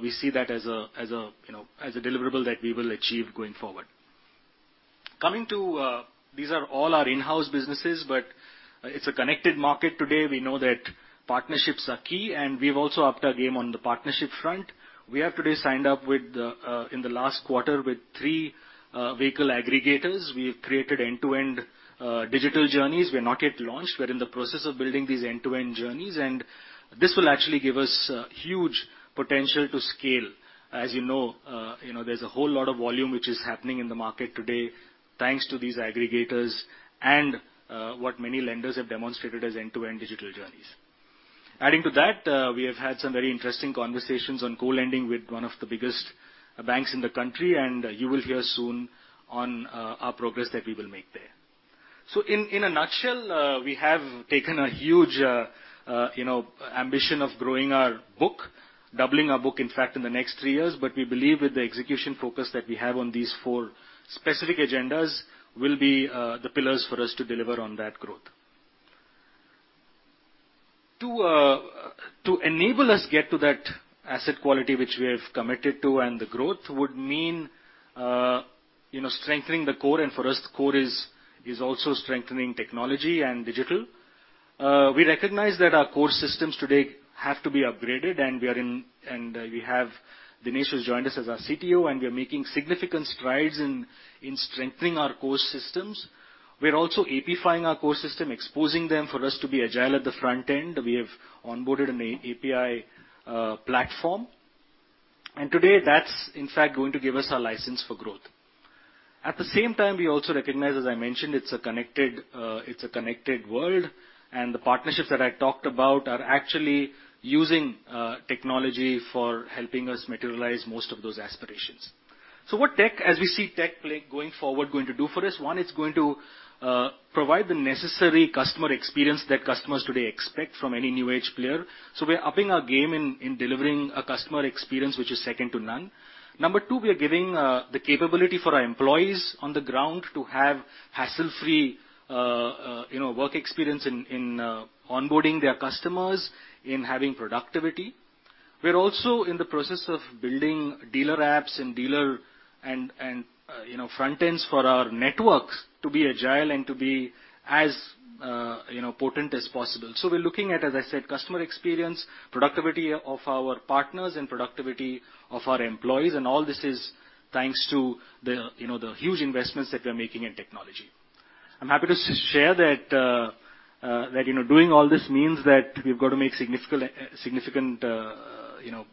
We see that as a, you know, as a deliverable that we will achieve going forward. Coming to, these are all our in-house businesses, but it's a connected market today. We know that partnerships are key, and we've also upped our game on the partnership front. We have today signed up with the, in the last quarter with three vehicle aggregators. We've created end-to-end digital journeys. We're not yet launched. We're in the process of building these end-to-end journeys, and this will actually give us huge potential to scale. As you know, you know, there's a whole lot of volume which is happening in the market today thanks to these aggregators and, what many lenders have demonstrated as end-to-end digital journeys. Adding to that, we have had some very interesting conversations on co-lending with one of the biggest banks in the country, and you will hear soon on our progress that we will make there. In a nutshell, we have taken a huge, you know, ambition of growing our book, doubling our book in fact in the next three years. We believe with the execution focus that we have on these four specific agendas will be the pillars for us to deliver on that growth. To enable us get to that asset quality which we have committed to and the growth would mean, you know, strengthening the core and for us the core is also strengthening technology and digital. We recognize that our core systems today have to be upgraded, and we have Dinesh who's joined us as our CTO, and we are making significant strides in strengthening our core systems. We're also API-fying our core system, exposing them for us to be agile at the front end. We have onboarded an API platform. Today that's in fact going to give us our license for growth. At the same time, we also recognize, as I mentioned, it's a connected world, and the partnerships that I talked about are actually using technology for helping us materialize most of those aspirations. What tech, as we see tech play going forward, going to do for us? One, it's going to provide the necessary customer experience that customers today expect from any new age player. We're upping our game in delivering a customer experience which is second to none. Number two, we are giving the capability for our employees on the ground to have hassle-free, you know, work experience in onboarding their customers, in having productivity. We're also in the process of building dealer apps and dealer and you know front ends for our networks to be agile and to be as you know potent as possible. We're looking at, as I said, customer experience, productivity of our partners and productivity of our employees. All this is thanks to the you know the huge investments that we are making in technology. I'm happy to share that, you know, doing all this means that we've got to make significant, you know,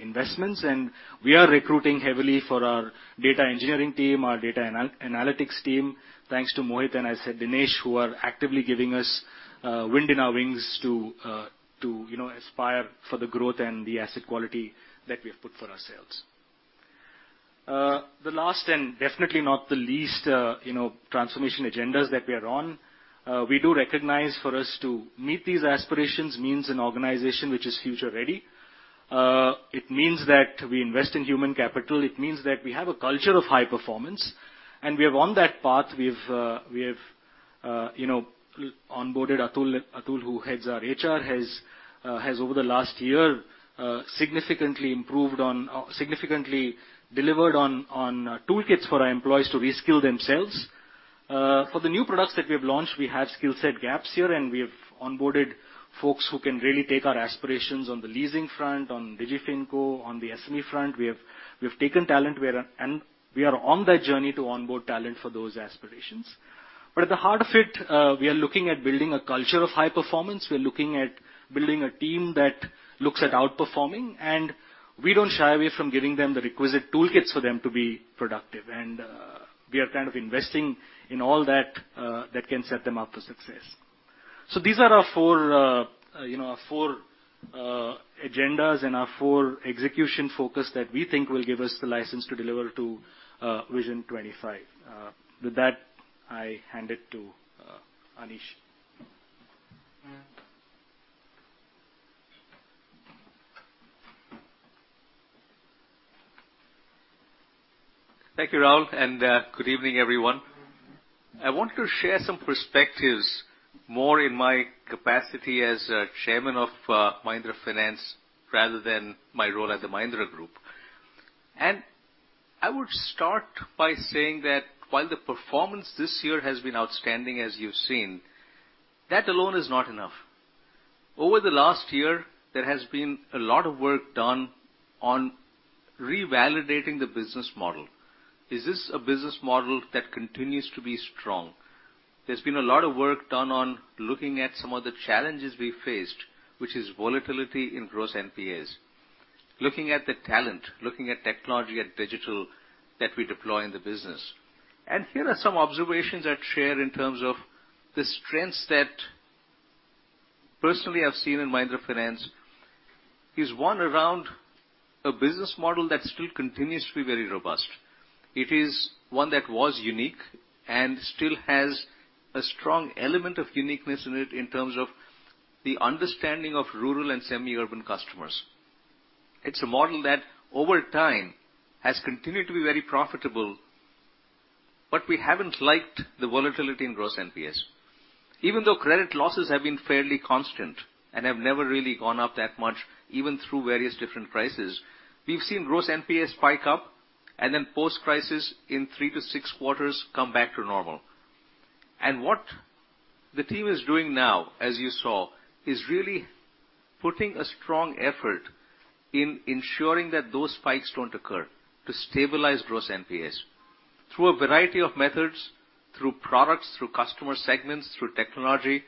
investments, and we are recruiting heavily for our data engineering team, our data analytics team. Thanks to Mohit and, as I said, Dinesh, who are actively giving us wind in our wings to, you know, aspire for the growth and the asset quality that we have put for ourselves. The last and definitely not the least, you know, transformation agendas that we are on, we do recognize for us to meet these aspirations means an organization which is future ready. It means that we invest in human capital. It means that we have a culture of high performance, and we are on that path. We have, you know, onboarded Atul. Atul, who heads our HR, has over the last year significantly delivered on toolkits for our employees to reskill themselves. For the new products that we have launched, we have skill set gaps here, and we have onboarded folks who can really take our aspirations on the leasing front, on DigiFinco, on the SME front. We have taken talent, and we are on that journey to onboard talent for those aspirations. At the heart of it, we are looking at building a culture of high performance. We are looking at building a team that looks at outperforming, and we don't shy away from giving them the requisite toolkits for them to be productive. We are kind of investing in all that that can set them up for success. These are our four agendas and our four execution focus that we think will give us the license to deliver to Vision 2025. With that, I hand it to Anish. Thank you, Raul, and good evening, everyone. I want to share some perspectives more in my capacity as chairman of Mahindra Finance rather than my role at the Mahindra Group. I would start by saying that while the performance this year has been outstanding, as you've seen, that alone is not enough. Over the last year, there has been a lot of work done on revalidating the business model. Is this a business model that continues to be strong? There's been a lot of work done on looking at some of the challenges we faced, which is volatility in gross NPAs. Looking at the talent, looking at technology and digital that we deploy in the business. Here are some observations I'd share in terms of the strengths that personally I've seen in Mahindra Finance is one around a business model that still continues to be very robust. It is one that was unique and still has a strong element of uniqueness in it in terms of the understanding of rural and semi-urban customers. It's a model that over time has continued to be very profitable, but we haven't liked the volatility in gross NPAs. Even though credit losses have been fairly constant and have never really gone up that much, even through various different crises, we've seen gross NPAs spike up and then post-crisis in three-six quarters come back to normal. What the team is doing now, as you saw, is really putting a strong effort in ensuring that those spikes don't occur to stabilize gross NPAs through a variety of methods, through products, through customer segments, through technology,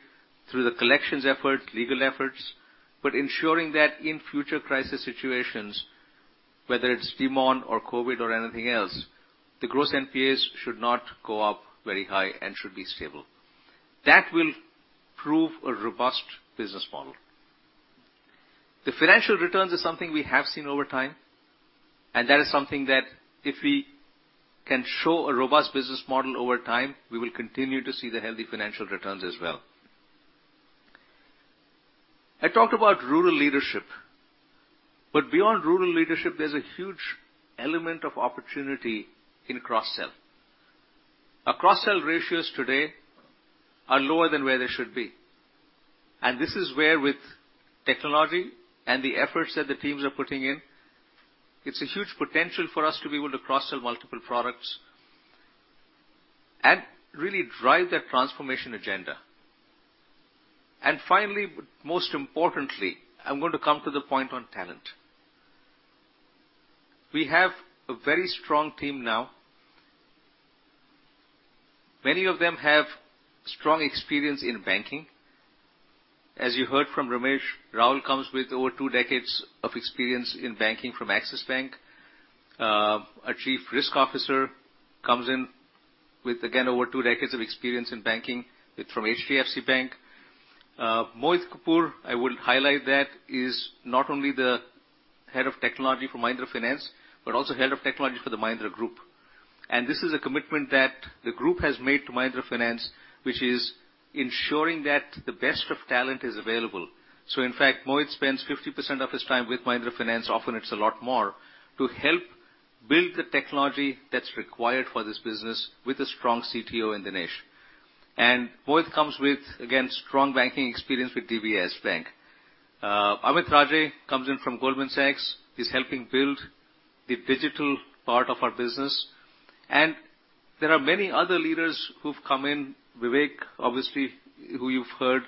through the collections efforts, legal efforts, but ensuring that in future crisis situations, whether it's demonetization or COVID or anything else, the gross NPAs should not go up very high and should be stable. That will prove a robust business model. The financial returns is something we have seen over time, and that is something that if we can show a robust business model over time, we will continue to see the healthy financial returns as well. I talked about rural leadership, but beyond rural leadership, there's a huge element of opportunity in cross-sell. Our cross-sell ratios today are lower than where they should be. This is where with technology and the efforts that the teams are putting in, it's a huge potential for us to be able to cross-sell multiple products and really drive that transformation agenda. Finally, but most importantly, I'm going to come to the point on talent. We have a very strong team now. Many of them have strong experience in banking. As you heard from Ramesh, Raul Rebello comes with over two decades of experience in banking from Axis Bank. Our chief risk officer comes in with, again, over two decades of experience in banking from HDFC Bank. Mohit Kapoor, I will highlight that, is not only the head of technology for Mahindra Finance, but also head of technology for the Mahindra Group. This is a commitment that the group has made to Mahindra Finance, which is ensuring that the best of talent is available. In fact, Mohit spends 50% of his time with Mahindra Finance, often it's a lot more, to help build the technology that's required for this business with a strong CTO in Dinesh. Mohit comes with, again, strong banking experience with DBS Bank. Amit Raje comes in from Goldman Sachs, he's helping build the digital part of our business. There are many other leaders who've come in, Vivek, obviously, who you've heard,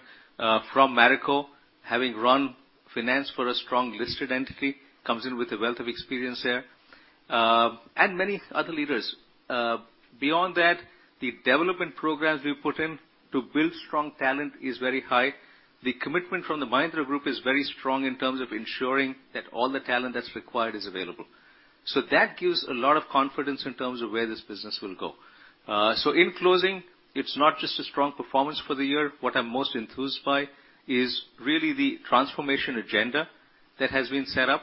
from Marico, having run finance for a strong listed entity, comes in with a wealth of experience there, and many other leaders. Beyond that, the development programs we put in to build strong talent is very high. The commitment from the Mahindra Group is very strong in terms of ensuring that all the talent that's required is available. That gives a lot of confidence in terms of where this business will go. In closing, it's not just a strong performance for the year. What I'm most enthused by is really the transformation agenda that has been set up,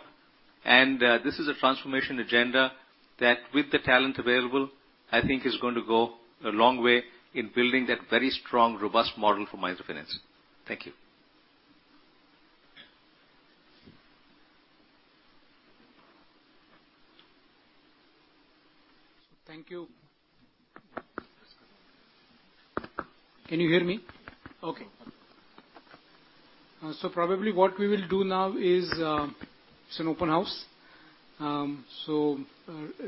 and this is a transformation agenda that with the talent available, I think is going to go a long way in building that very strong, robust model for Mahindra Finance. Thank you. Thank you. Can you hear me? Okay. So probably what we will do now is, it's an open house, so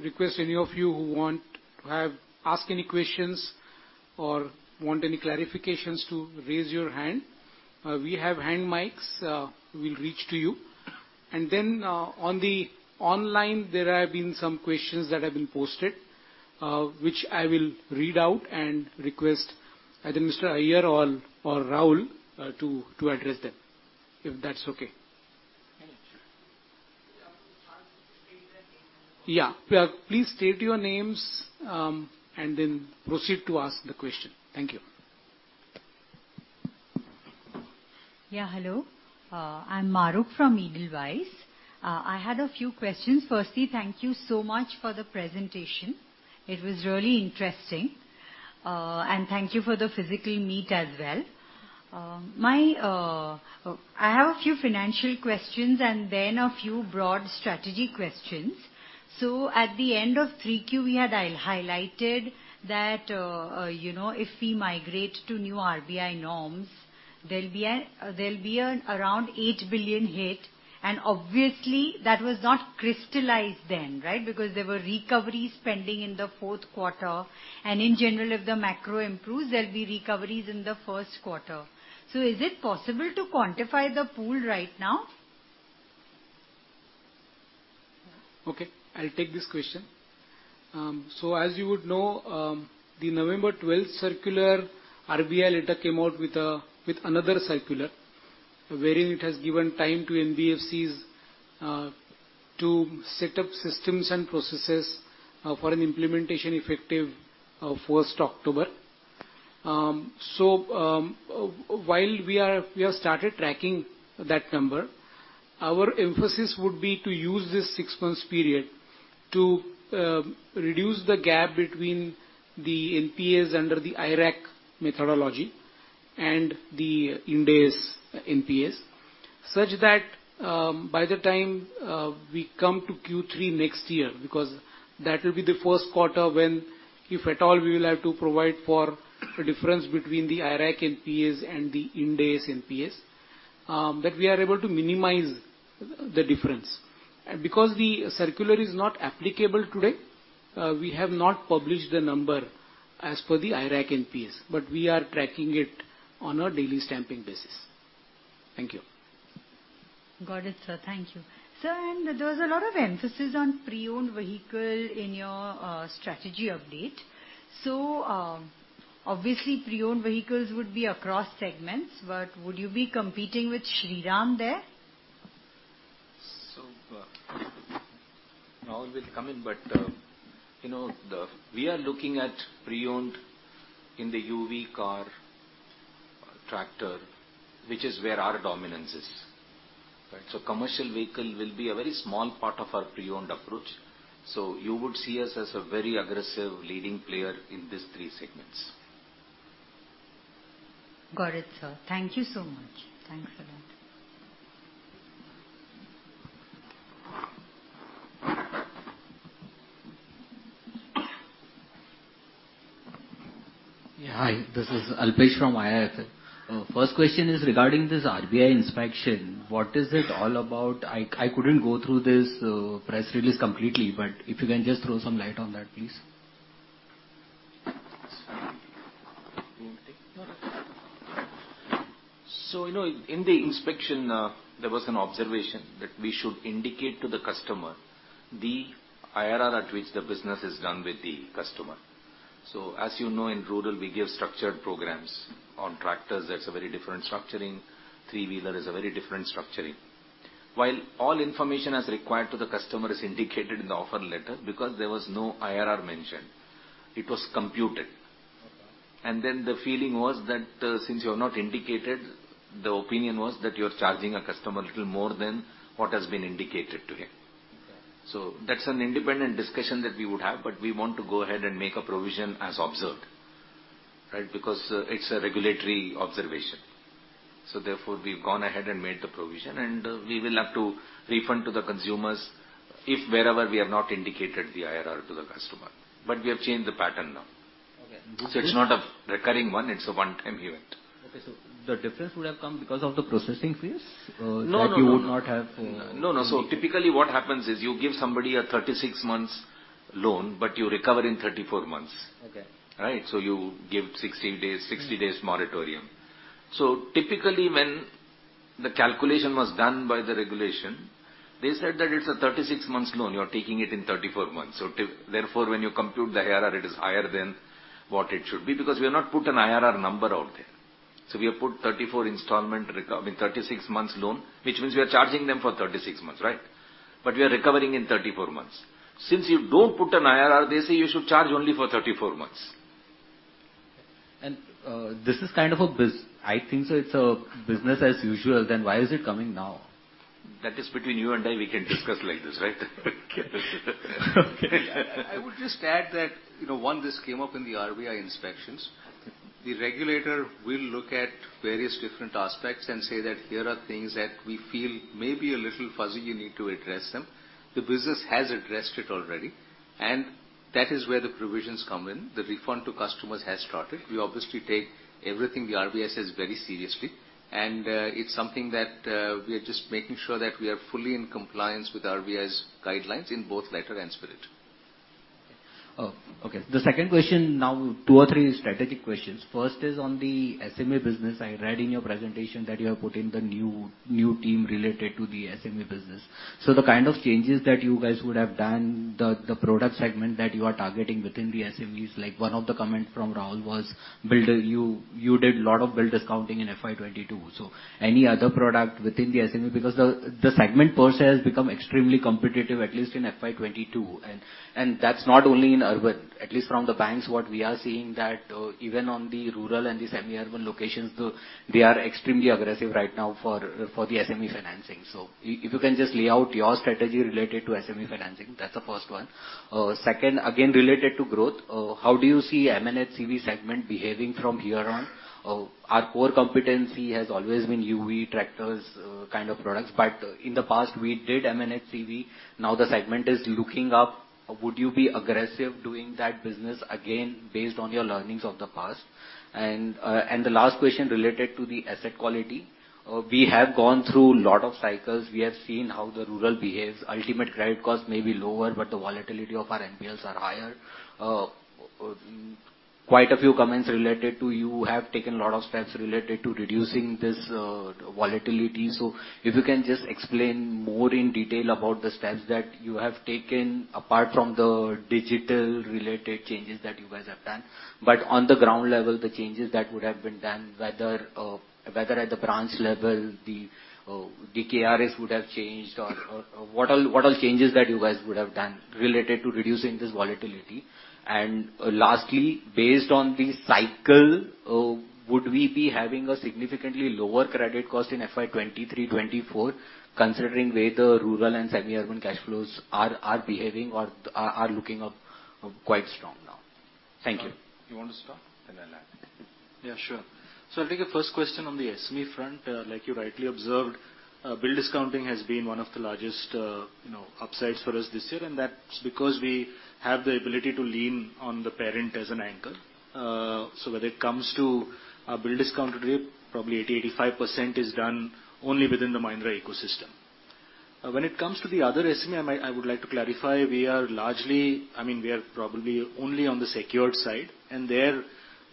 request any of you who want to ask any questions or want any clarifications to raise your hand. We have hand mics, we'll reach to you. Then, on the online, there have been some questions that have been posted, which I will read out and request either Mr. Iyer or Rahul to address them, if that's okay. Sure. Yeah. Please state your names, and then proceed to ask the question. Thank you. Yeah. Hello. I'm Mahrukh from Edelweiss. I had a few questions. Firstly, thank you so much for the presentation. It was really interesting. Thank you for the physical meet as well. I have a few financial questions and then a few broad strategy questions. At the end of Q3, we had highlighted that, you know, if we migrate to new RBI norms, there'll be an around eight billion hit, and obviously that was not crystallized then, right? Because there were recoveries pending in the fourth quarter, and in general, if the macro improves, there'll be recoveries in the first quarter. Is it possible to quantify the pool right now? Okay, I'll take this question. As you would know, the November 12 circular. RBI later came out with another circular, wherein it has given time to NBFCs. To set up systems and processes for an implementation effective first October. While we have started tracking that number, our emphasis would be to use this six months period to reduce the gap between the NPAs under the IRAC methodology and the Ind-AS NPAs, such that by the time we come to Q3 next year, because that will be the first quarter when, if at all, we will have to provide for a difference between the IRAC NPAs and the Ind-AS NPAs, that we are able to minimize the difference. The circular is not applicable today, we have not published the number as per the IRAC NPAs, but we are tracking it on a daily stamping basis. Thank you. Got it, sir. Thank you. Sir, there was a lot of emphasis on pre-owned vehicle in your strategy update. Obviously, pre-owned vehicles would be across segments, but would you be competing with Shriram there? Raul Rebello will come in, but, you know, we are looking at pre-owned in the UV car tractor, which is where our dominance is, right? Commercial vehicle will be a very small part of our pre-owned approach. You would see us as a very aggressive leading player in these three segments. Got it, sir. Thank you so much. Thanks a lot. Yeah. Hi, this is Alpesh from IIFL. First question is regarding this RBI inspection. What is it all about? I couldn't go through this press release completely, but if you can just throw some light on that, please. You know, in the inspection, there was an observation that we should indicate to the customer the IRR at which the business is done with the customer. As you know, in rural, we give structured programs. On tractors, that's a very different structuring. Three-wheeler is a very different structuring. While all information as required to the customer is indicated in the offer letter, because there was no IRR mentioned, it was computed. Okay. The feeling was that since you have not indicated, the opinion was that you're charging a customer little more than what has been indicated to him. Okay. That's an independent discussion that we would have, but we want to go ahead and make a provision as observed, right? Because it's a regulatory observation. Therefore, we've gone ahead and made the provision, and we will have to refund to the consumers if wherever we have not indicated the IRR to the customer. We have changed the pattern now. Okay. It's not a recurring one, it's a one-time event. Okay. The difference would have come because of the processing fees? No, no. That you would not have. No, no. Typically what happens is you give somebody a 36-month loan, but you recover in 34 months. Okay. Right? You give 60 days. Mm-hmm. 60 days moratorium. Typically, when the calculation was done by the regulation, they said that it's a 36 months loan, you are taking it in 34 months. Therefore, when you compute the IRR, it is higher than what it should be, because we have not put an IRR number out there. We have put, I mean, 36 months loan, which means we are charging them for 36 months, right? We are recovering in 34 months. Since you don't put an IRR, they say you should charge only for 34 months. This is kind of a business as usual. Then why is it coming now? That is between you and I, we can discuss like this, right? Okay. I would just add that, you know, one, this came up in the RBI inspections. The regulator will look at various different aspects and say that, "Here are things that we feel may be a little fuzzy, you need to address them." The business has addressed it already, and that is where the provisions come in. The refund to customers has started. We obviously take everything the RBI says very seriously, and it's something that we are just making sure that we are fully in compliance with RBI's guidelines in both letter and spirit. Oh, okay. The second question now, two or three strategic questions. First is on the SME business. I read in your presentation that you have put in the new team related to the SME business. So the kind of changes that you guys would have done, the product segment that you are targeting within the SMEs, like one of the comment from Raul was. You did lot of bill discounting in FY 2022. So any other product within the SME? Because the segment per se has become extremely competitive, at least in FY 2022. That's not only in urban. At least from the banks, what we are seeing that even on the rural and the semi-urban locations, they are extremely aggressive right now for the SME financing. If you can just lay out your strategy related to SME financing. That's the first one. Second, again, related to growth. How do you see M&HCV segment behaving from here on? Our core competency has always been UV, tractors, kind of products. But in the past, we did M&HCV. Now the segment is looking up. Would you be aggressive doing that business again based on your learnings of the past? The last question related to the asset quality. We have gone through a lot of cycles. We have seen how the rural behaves. Ultimately credit cost may be lower, but the volatility of our NPLs are higher. Quite a few comments related to you have taken a lot of steps related to reducing this volatility. If you can just explain more in detail about the steps that you have taken apart from the digital related changes that you guys have done. On the ground level, the changes that would have been done, whether at the branch level the KRAs would have changed or what are changes that you guys would have done related to reducing this volatility? Lastly, based on the cycle, would we be having a significantly lower credit cost in FY 2023-2024, considering the way the rural and semi-urban cash flows are behaving or are looking up quite strong now? Thank you. You want to start? I'll add. Yeah, sure. I'll take the first question on the SME front. Like you rightly observed, bill discounting has been one of the largest, you know, upsides for us this year, and that's because we have the ability to lean on the parent as an anchor. When it comes to our bill discount rate, probably 80%-85% is done only within the Mahindra ecosystem. When it comes to the other SME, I would like to clarify, we are largely, I mean, we are probably only on the secured side, and there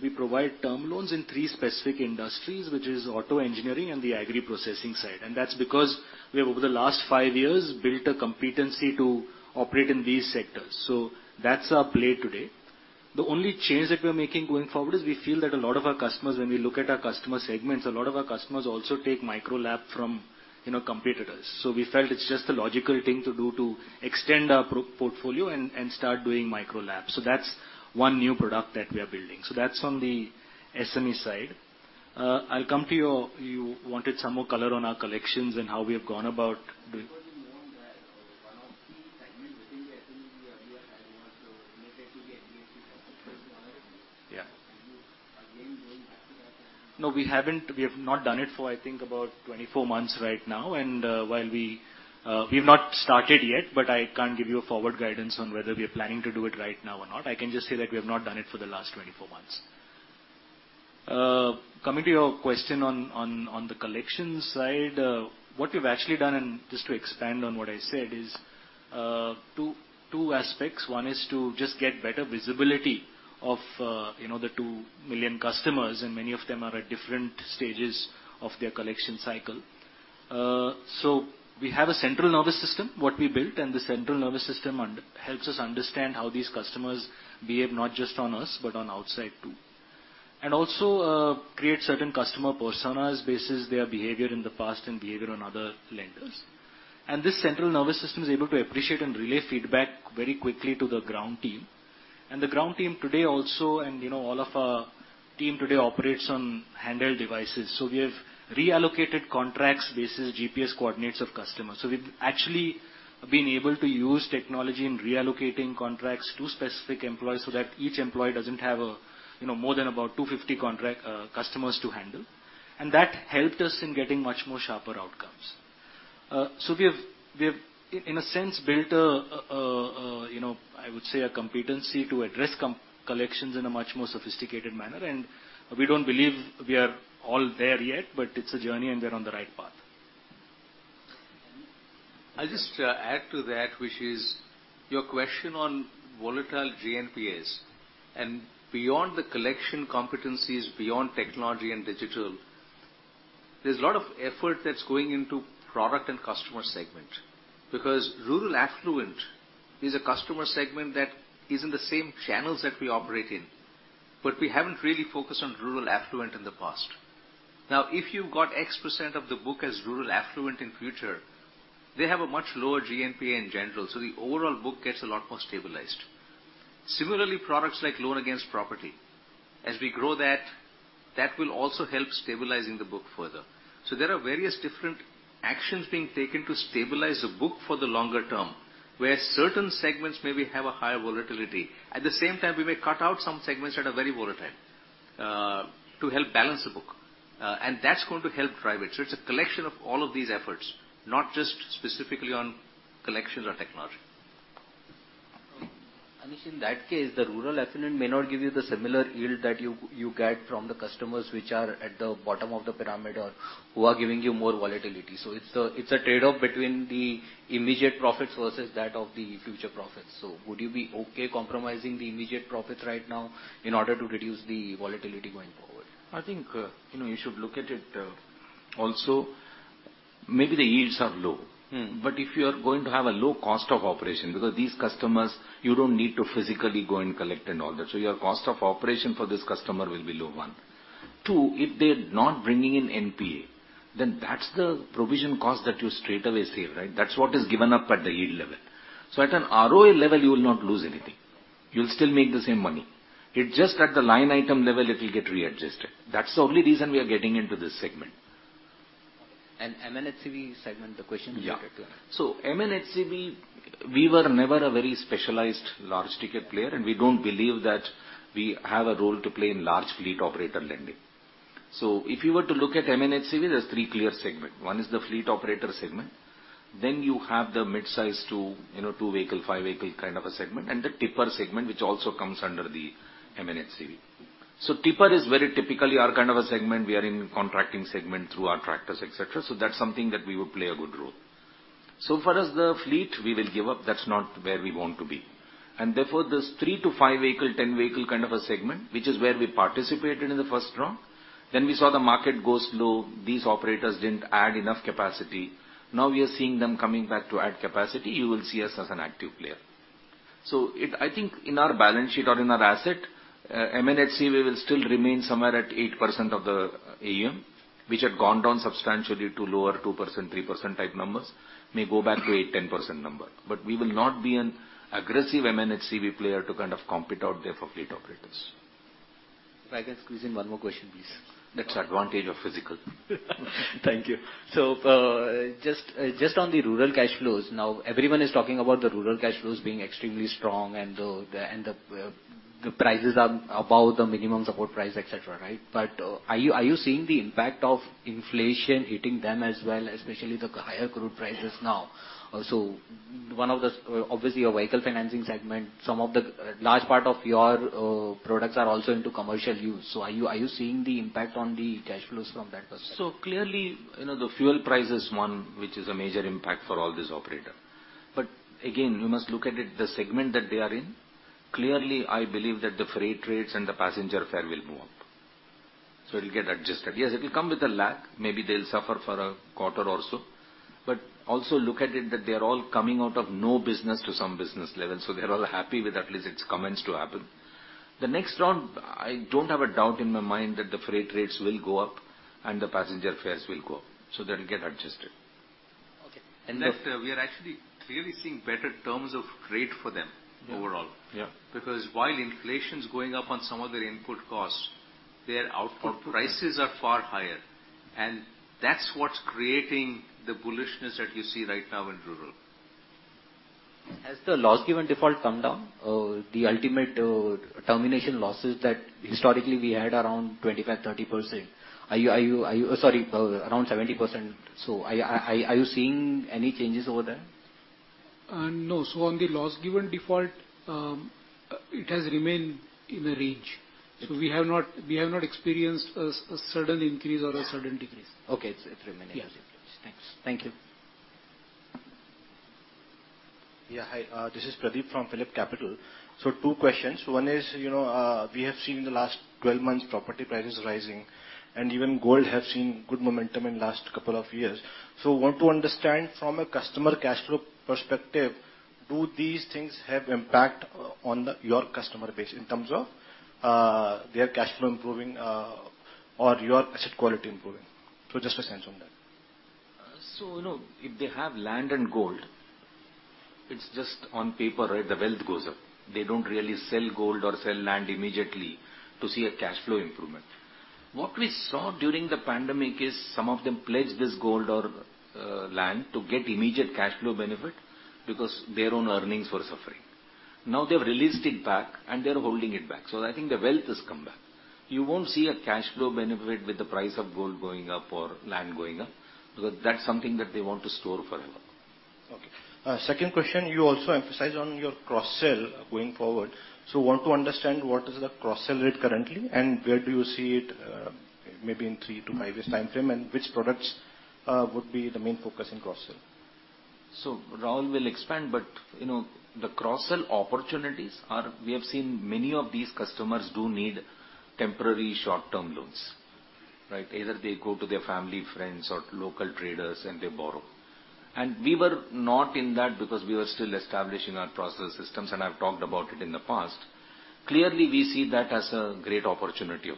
we provide term loans in three specific industries, which is auto engineering and the agri processing side. That's because we have, over the last five years, built a competency to operate in these sectors. That's our play today. The only change that we're making going forward is we feel that a lot of our customers, when we look at our customer segments, a lot of our customers also take micro LAP from, you know, competitors. We felt it's just a logical thing to do to extend our product portfolio and start doing micro LAP. That's one new product that we are building. That's on the SME side. You wanted some more color on our collections and how we have gone about doing it. No, we haven't. We have not done it for, I think, about 24 months right now. While we have not started yet, but I can't give you a forward guidance on whether we are planning to do it right now or not. I can just say that we have not done it for the last 24 months. Coming to your question on the collection side, what we've actually done, and just to expand on what I said, is two aspects. One is to just get better visibility of, you know, the two million customers, and many of them are at different stages of their collection cycle. We have a central nervous system, what we built, and the central nervous system helps us understand how these customers behave not just on us, but on outside too. It also creates certain customer personas based on their behavior in the past and behavior on other lenders. This central nervous system is able to appreciate and relay feedback very quickly to the ground team. The ground team today also, you know, all of our team today operates on handheld devices. We have reallocated contracts basis GPS coordinates of customers. We've actually been able to use technology in reallocating contracts to specific employees so that each employee doesn't have a, you know, more than about 250 contract, customers to handle. That helped us in getting much more sharper outcomes. We have in a sense built a, you know, I would say a competency to address complex collections in a much more sophisticated manner. We don't believe we are all there yet, but it's a journey and we're on the right path. I'll just add to that, which is your question on volatile GNPA. Beyond the collection competencies, beyond technology and digital, there's a lot of effort that's going into product and customer segment. Because rural affluent is a customer segment that is in the same channels that we operate in, but we haven't really focused on rural affluent in the past. Now, if you've got X% of the book as rural affluent in future, they have a much lower GNPA in general, so the overall book gets a lot more stabilized. Similarly, products like Loan Against Property, as we grow that will also help stabilizing the book further. There are various different actions being taken to stabilize the book for the longer term, where certain segments maybe have a higher volatility. At the same time, we may cut out some segments that are very volatile, to help balance the book. That's going to help drive it. It's a collection of all of these efforts, not just specifically on collections or technology. Anish, in that case, the rural affluent may not give you the similar yield that you get from the customers which are at the bottom of the pyramid or who are giving you more volatility. It's a trade-off between the immediate profits versus that of the future profits. Would you be okay compromising the immediate profits right now in order to reduce the volatility going forward? I think, you know, you should look at it, also, maybe the yields are low. Mm. If you are going to have a low cost of operation, because these customers, you don't need to physically go and collect and all that. Your cost of operation for this customer will be low, one. Two, if they're not bringing in NPA, then that's the provision cost that you straightaway save, right? That's what is given up at the yield level. At an ROA level, you will not lose anything. You'll still make the same money. It's just at the line item level, it will get readjusted. That's the only reason we are getting into this segment. M&HCV segment, the question. Yeah. -related to that. M&HCV, we were never a very specialized large ticket player, and we don't believe that we have a role to play in large fleet operator lending. If you were to look at M&HCV, there's three clear segment. One is the fleet operator segment, then you have the midsize to, you know, two vehicle, fiv vehicle kind of a segment, and the tipper segment, which also comes under the M&HCV. Tipper is very typically our kind of a segment. We are in contracting segment through our tractors, et cetera. That's something that we would play a good role. For us, the fleet we will give up, that's not where we want to be. Therefore, this three-five vehicle, 10 vehicle kind of a segment, which is where we participated in the first round, then we saw the market go slow, these operators didn't add enough capacity. Now we are seeing them coming back to add capacity, you will see us as an active player. I think in our balance sheet or in our asset, M&HCV, we will still remain somewhere at 8% of the AUM, which had gone down substantially to lower 2%, 3% type numbers, may go back to 8%-10% number. But we will not be an aggressive M&HCV player to kind of compete out there for fleet operators. If I can squeeze in one more question, please. That's advantage of physical. Thank you. Just on the rural cash flows, now everyone is talking about the rural cash flows being extremely strong and the prices are above the minimum support price, et cetera, right? Are you seeing the impact of inflation hitting them as well, especially the higher crude prices now? Obviously, your vehicle financing segment, a large part of your products are also into commercial use. Are you seeing the impact on the cash flows from that perspective? Clearly, you know, the fuel price is one which is a major impact for all these operators. Again, you must look at it, the segment that they are in. Clearly, I believe that the freight rates and the passenger fares will move up. It'll get adjusted. Yes, it'll come with a lag. Maybe they'll suffer for a quarter or so. Also look at it that they are all coming out of no business to some business level, so they're all happy with at least it's commenced to happen. The next round, I don't have a doubt in my mind that the freight rates will go up and the passenger fares will go up, so that'll get adjusted. Okay. In fact, we are actually clearly seeing better terms of rate for them overall. Yeah. Because while inflation's going up on some of their input costs, their output prices are far higher. That's what's creating the bullishness that you see right now in rural. Has the loss given default come down? The ultimate termination losses that historically we had around 25%-30%. Sorry, around 70%. Are you seeing any changes over there? No. On the loss given default, it has remained in a range. We have not experienced a sudden increase or a sudden decrease. Okay. It remained as it is. Yes. Thanks. Thank you. Yeah. Hi, this is Pradeep from PhillipCapital. Two questions. One is, you know, we have seen in the last 12 months property prices rising, and even gold has seen good momentum in last couple of years. Want to understand from a customer cash flow perspective, do these things have impact on the, your customer base in terms of, their cash flow improving, or your asset quality improving? Just a sense on that. You know, if they have land and gold, it's just on paper, right, the wealth goes up. They don't really sell gold or sell land immediately to see a cash flow improvement. What we saw during the pandemic is some of them pledged this gold or land to get immediate cash flow benefit because their own earnings were suffering. Now they've released it back and they're holding it back. I think the wealth has come back. You won't see a cash flow benefit with the price of gold going up or land going up because that's something that they want to store forever. Okay. Second question, you also emphasize on your cross-sell going forward. Want to understand what is the cross-sell rate currently and where do you see it, maybe in three-five years timeframe, and which products would be the main focus in cross-sell? Raul will expand, but you know, the cross-sell opportunities are, we have seen many of these customers do need temporary short-term loans, right? Either they go to their family, friends, or local traders and they borrow. We were not in that because we were still establishing our process systems, and I've talked about it in the past. Clearly, we see that as a great opportunity of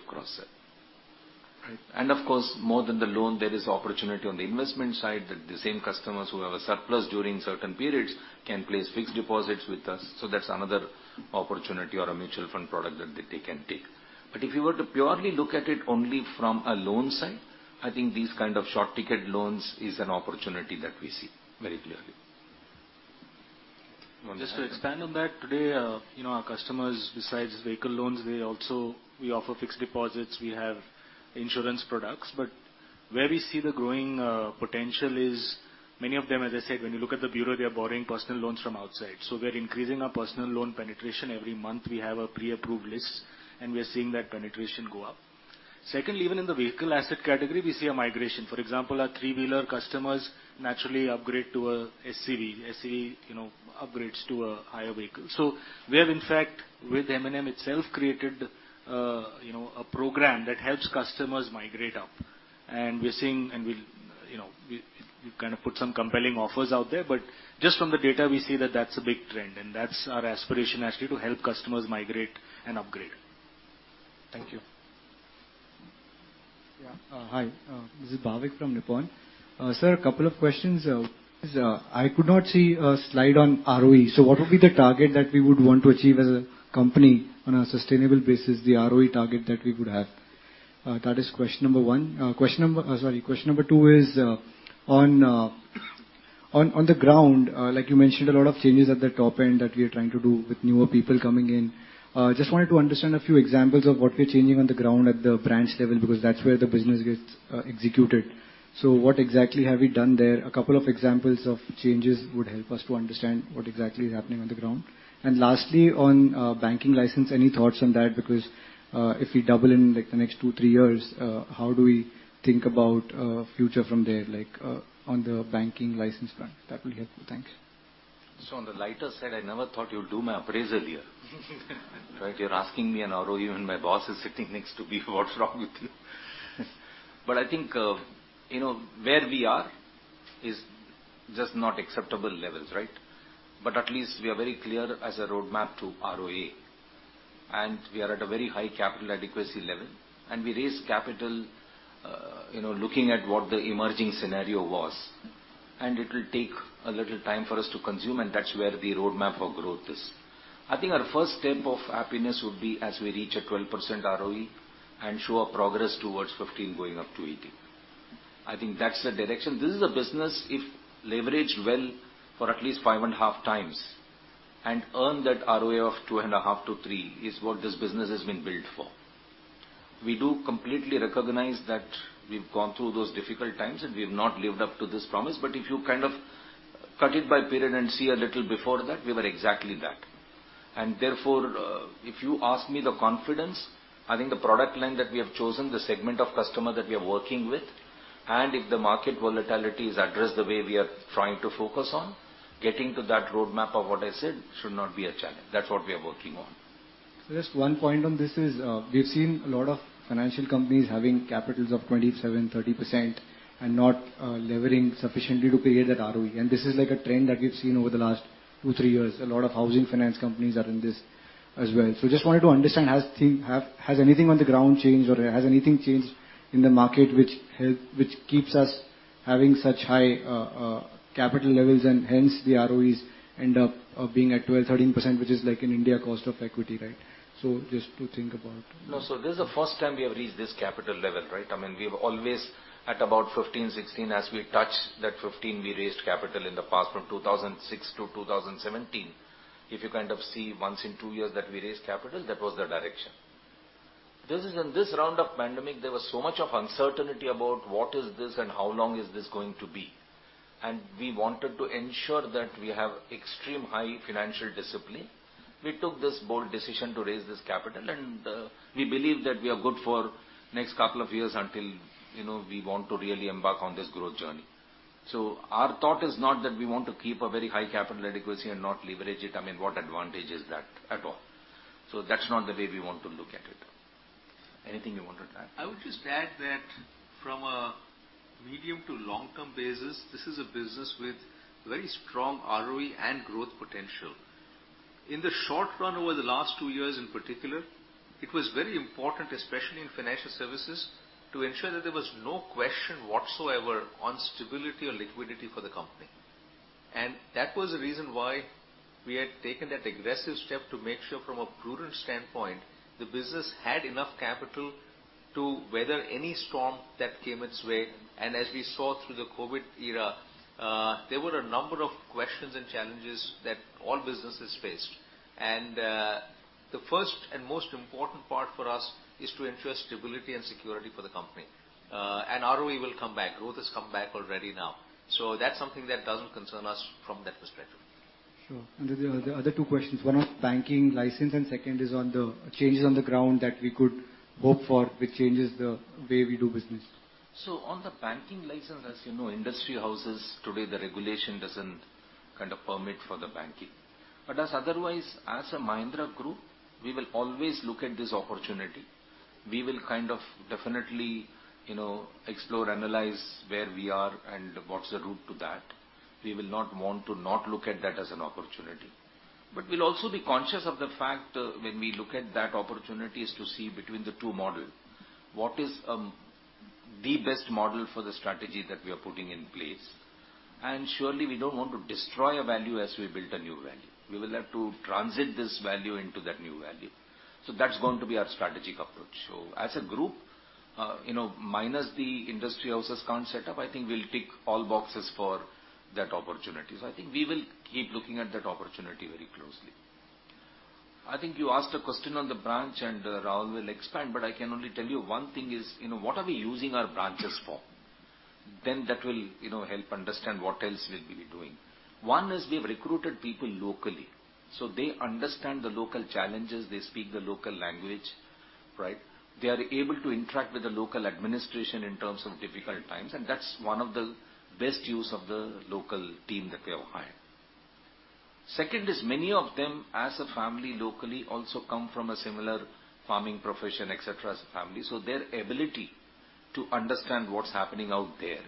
cross-sell. Right. Of course, more than the loan, there is opportunity on the investment side that the same customers who have a surplus during certain periods can place fixed deposits with us, so that's another opportunity or a mutual fund product that they can take. If you were to purely look at it only from a loan side, I think these kind of short ticket loans is an opportunity that we see very clearly. Just to expand on that, today, you know, our customers, besides vehicle loans, we also, we offer fixed deposits, we have insurance products. But where we see the growing potential is many of them, as I said, when you look at the bureau, they are borrowing personal loans from outside. We're increasing our personal loan penetration. Every month we have a pre-approved list, and we are seeing that penetration go up. Secondly, even in the vehicle asset category, we see a migration. For example, our three-wheeler customers naturally upgrade to a SUV. SUV, you know, upgrades to a higher vehicle. We have, in fact, with M&M itself created, you know, a program that helps customers migrate up. We're seeing, you know, we've kind of put some compelling offers out there. Just from the data, we see that that's a big trend and that's our aspiration actually to help customers migrate and upgrade. Thank you. Yeah. Hi. This is Bhavik from Nippon. Sir, a couple of questions. I could not see a slide on ROE. What would be the target that we would want to achieve as a company on a sustainable basis, the ROE target that we would have? That is question number one. Question number two is on the ground, like you mentioned, a lot of changes at the top end that we are trying to do with newer people coming in. Just wanted to understand a few examples of what we're changing on the ground at the branch level, because that's where the business gets executed. What exactly have we done there? A couple of examples of changes would help us to understand what exactly is happening on the ground. Lastly, on banking license, any thoughts on that? Because if we double in like the next two-three years, how do we think about future from there, like on the banking license front? That will help. Thanks. On the lighter side, I never thought you'll do my appraisal here. Right? You're asking me an ROE, even my boss is sitting next to me. What's wrong with you? I think, you know, where we are is just not acceptable levels, right? At least we are very clear as a roadmap to ROA, and we are at a very high capital adequacy level, and we raised capital, you know, looking at what the emerging scenario was. It will take a little time for us to consume, and that's where the roadmap for growth is. I think our first step of happiness would be as we reach a 12% ROE and show a progress towards 15, going up to 18. I think that's the direction. This is a business if leveraged well for at least 5.5x and earn that ROE of 2.5%-3% is what this business has been built for. We do completely recognize that we've gone through those difficult times, and we have not lived up to this promise. If you kind of cut it by period and see a little before that, we were exactly that. Therefore, if you ask me the confidence, I think the product line that we have chosen, the segment of customer that we are working with, and if the market volatility is addressed the way we are trying to focus on, getting to that roadmap of what I said should not be a challenge. That's what we are working on. Just one point on this is, we've seen a lot of financial companies having capitals of 27, 30% and not levering sufficiently to create that ROE. This is like a trend that we've seen over the last two, three years. A lot of housing finance companies are in this as well. Just wanted to understand, has anything on the ground changed or has anything changed in the market which keeps us having such high capital levels and hence the ROEs end up being at 12, 13%, which is like an Indian cost of equity, right? Just to think about. No. This is the first time we have reached this capital level, right? I mean, we've always at about 15%-16%. As we touch that 15%, we raised capital in the past from 2006-2017. If you kind of see once in 2 years that we raised capital, that was the direction. This is in this round of pandemic, there was so much of uncertainty about what is this and how long is this going to be. We wanted to ensure that we have extreme high financial discipline. We took this bold decision to raise this capital, and we believe that we are good for next couple of years until, you know, we want to really embark on this growth journey. Our thought is not that we want to keep a very high capital adequacy and not leverage it. I mean, what advantage is that at all? That's not the way we want to look at it. Anything you want to add? I would just add that from a medium to long-term basis, this is a business with very strong ROE and growth potential. In the short run, over the last two years in particular, it was very important, especially in financial services, to ensure that there was no question whatsoever on stability or liquidity for the company. That was the reason why we had taken that aggressive step to make sure from a prudent standpoint, the business had enough capital to weather any storm that came its way. As we saw through the COVID era, there were a number of questions and challenges that all businesses faced. The first and most important part for us is to ensure stability and security for the company. ROE will come back. Growth has come back already now. That's something that doesn't concern us from that perspective. Sure. The other two questions, one on banking license, and second is on the changes on the ground that we could hope for, which changes the way we do business. On the banking license, as you know, industry houses today, the regulation doesn't kind of permit for the banking. As otherwise, as a Mahindra Group, we will always look at this opportunity. We will kind of definitely, you know, explore, analyze where we are and what's the route to that. We will not want to not look at that as an opportunity. We'll also be conscious of the fact when we look at that opportunity is to see between the two model, what is, the best model for the strategy that we are putting in place. Surely, we don't want to destroy a value as we build a new value. We will have to transit this value into that new value. That's going to be our strategic approach. As a group, you know, minus the industry houses can't set up, I think we'll tick all boxes for that opportunity. I think we will keep looking at that opportunity very closely. I think you asked a question on the branch, and Raul Rebello will expand, but I can only tell you one thing is, you know, what are we using our branches for? Then that will, you know, help understand what else we'll be doing. One is we've recruited people locally, so they understand the local challenges. They speak the local language, right? They are able to interact with the local administration in terms of difficult times, and that's one of the best use of the local team that we have hired. Second is many of them, as a family locally, also come from a similar farming profession, et cetera, as a family, so their ability to understand what's happening out there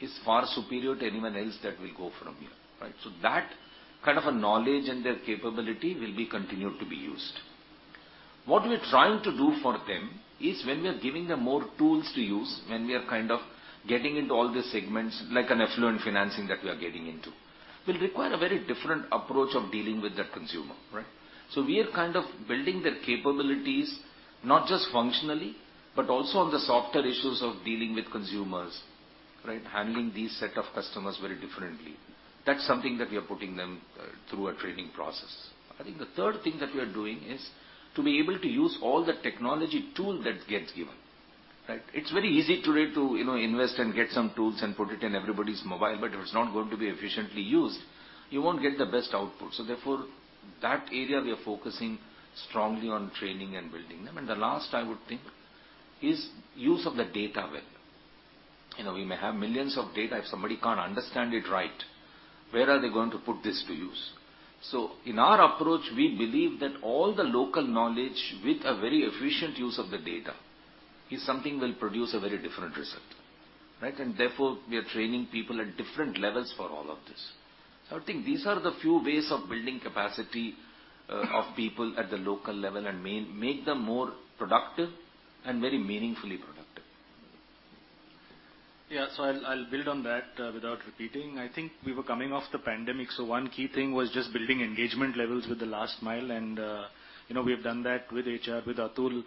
is far superior to anyone else that will go from here, right? That kind of a knowledge and their capability will be continued to be used. What we're trying to do for them is when we are giving them more tools to use, when we are kind of getting into all these segments, like an affluent financing that we are getting into, will require a very different approach of dealing with that consumer, right? We are kind of building their capabilities, not just functionally, but also on the softer issues of dealing with consumers, right? Handling these set of customers very differently. That's something that we are putting them through a training process. I think the third thing that we are doing is to be able to use all the technology tool that gets given, right? It's very easy today to, you know, invest and get some tools and put it in everybody's mobile, but if it's not going to be efficiently used, you won't get the best output. So therefore, that area we are focusing strongly on training and building them. The last I would think is use of the data well. You know, we may have millions of data. If somebody can't understand it right, where are they going to put this to use? In our approach, we believe that all the local knowledge with a very efficient use of the data is something will produce a very different result, right? We are training people at different levels for all of this. I think these are the few ways of building capacity of people at the local level and make them more productive and very meaningfully productive. Yeah. I'll build on that without repeating. I think we were coming off the pandemic, so one key thing was just building engagement levels with the last mile and we have done that with HR, with Atul.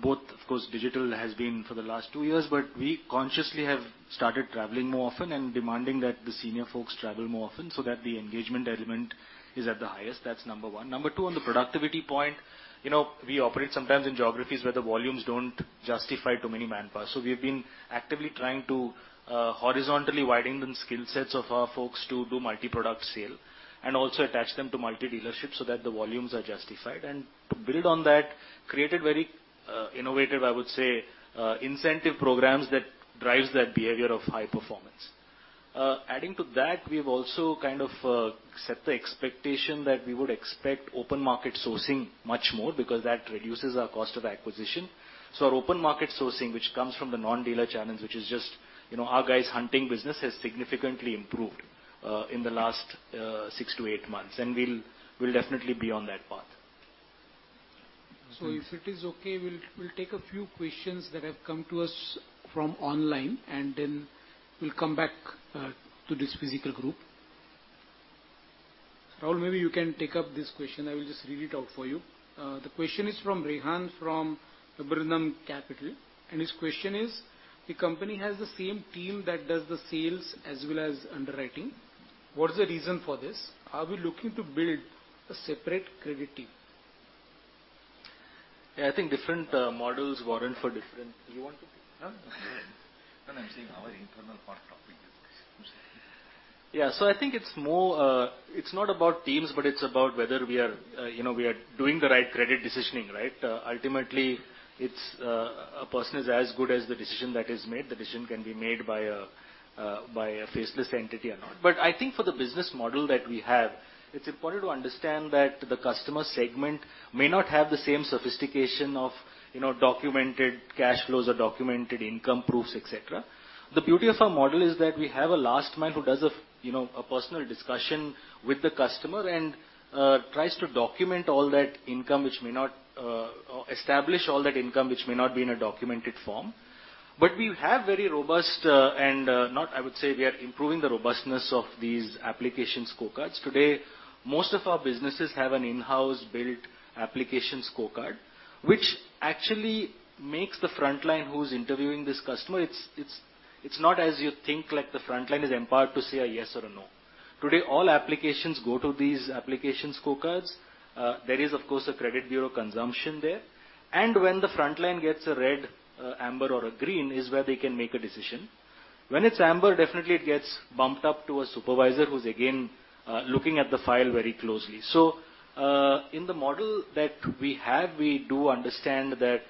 Both, of course, digital has been for the last two years, but we consciously have started traveling more often and demanding that the senior folks travel more often so that the engagement element is at the highest. That's number one. Number two, on the productivity point, we operate sometimes in geographies where the volumes don't justify too many manpower. We've been actively trying to horizontally widen the skillsets of our folks to do multiproduct sale and also attach them to multidealership so that the volumes are justified. To build on that, created very innovative, I would say, incentive programs that drives that behavior of high performance. Adding to that, we've also kind of set the expectation that we would expect open market sourcing much more because that reduces our cost of acquisition. Our open market sourcing, which comes from the non-dealer channels, which is just, you know, our guys hunting business, has significantly improved in the last six-eight months, and we'll definitely be on that path. If it is okay, we'll take a few questions that have come to us from online, and then we'll come back to this physical group. Raul, maybe you can take up this question. I will just read it out for you. The question is from Rehan, from Berenberg Capital, and his question is: the company has the same team that does the sales as well as underwriting. What is the reason for this? Are we looking to build a separate credit team? Yeah, I think different models warrant for different. Do you want to? No, I'm saying our internal part of it is. Yeah. I think it's more, it's not about teams, but it's about whether we are, you know, we are doing the right credit decisioning, right? Ultimately, it's a person is as good as the decision that is made. The decision can be made by a faceless entity or not. I think for the business model that we have, it's important to understand that the customer segment may not have the same sophistication of, you know, documented cash flows or documented income proofs, et cetera. The beauty of our model is that we have a last mile who does a, you know, a personal discussion with the customer and tries to document all that income which may not or establish all that income which may not be in a documented form. I would say we are improving the robustness of these application scorecards. Today, most of our businesses have an in-house built application scorecard, which actually makes the frontline who's interviewing this customer, it's not as you think, like the frontline is empowered to say a yes or a no. Today, all applications go to these application scorecards. There is of course a credit bureau consumption there. When the frontline gets a red, amber or a green is where they can make a decision. When it's amber, definitely it gets bumped up to a supervisor who's again looking at the file very closely. In the model that we have, we do understand that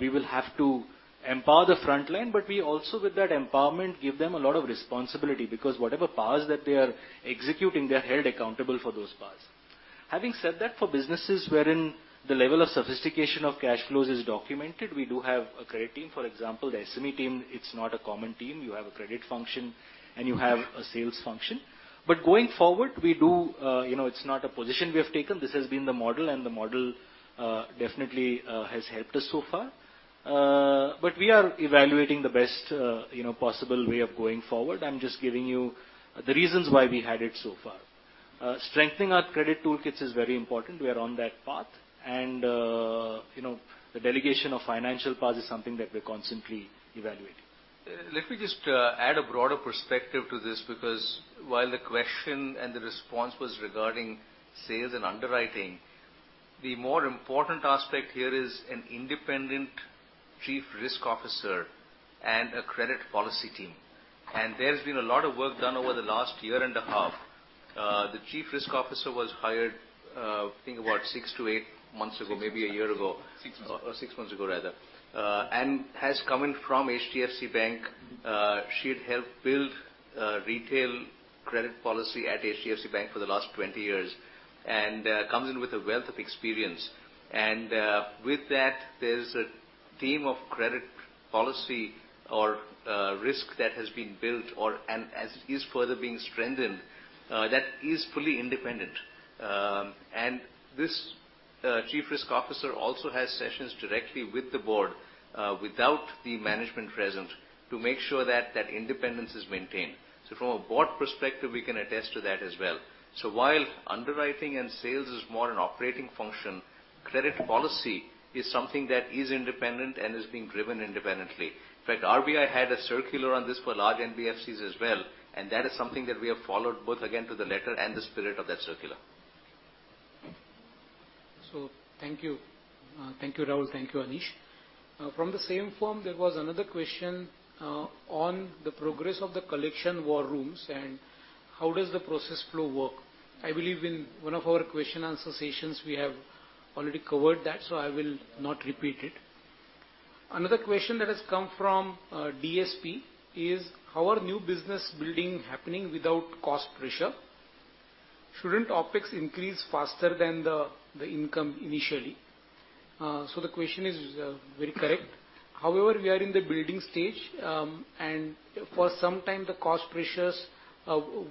we will have to empower the frontline, but we also with that empowerment, give them a lot of responsibility because whatever powers that they are executing, they're held accountable for those powers. Having said that, for businesses wherein the level of sophistication of cash flows is documented, we do have a credit team. For example, the SME team, it's not a common team. You have a credit function and you have a sales function. Going forward, we do, you know, it's not a position we have taken. This has been the model, and the model, definitely, has helped us so far. We are evaluating the best, you know, possible way of going forward. I'm just giving you the reasons why we had it so far. Strengthening our credit toolkits is very important. We are on that path. You know, the delegation of financial powers is something that we're constantly evaluating. Let me just add a broader perspective to this because while the question and the response was regarding sales and underwriting, the more important aspect here is an independent Chief Risk Officer and a credit policy team. There's been a lot of work done over the last year and a half. The Chief Risk Officer was hired, I think about six-eight months ago, maybe a year ago. Six months ago. Six months ago, rather. She has come in from HDFC Bank. She had helped build retail credit policy at HDFC Bank for the last 20 years and comes in with a wealth of experience. With that, there's a team of credit policy or risk that has been built, and as it is further being strengthened, that is fully independent. This chief risk officer also has sessions directly with the board, without the management present to make sure that that independence is maintained. From a board perspective, we can attest to that as well. While underwriting and sales is more an operating function, credit policy is something that is independent and is being driven independently. In fact, RBI had a circular on this for large NBFCs as well, and that is something that we have followed both again to the letter and the spirit of that circular. Thank you. Thank you, Raul Rebello. Thank you, Anish Shah. From the same forum, there was another question on the progress of the collection war rooms and how does the process flow work. I believe in one of our question answer sessions, we have already covered that, so I will not repeat it. Another question that has come from DSP Mutual Fund is. How are new business building happening without cost pressure? Shouldn't OpEx increase faster than the income initially? The question is very correct. However, we are in the building stage, and for some time, the cost pressures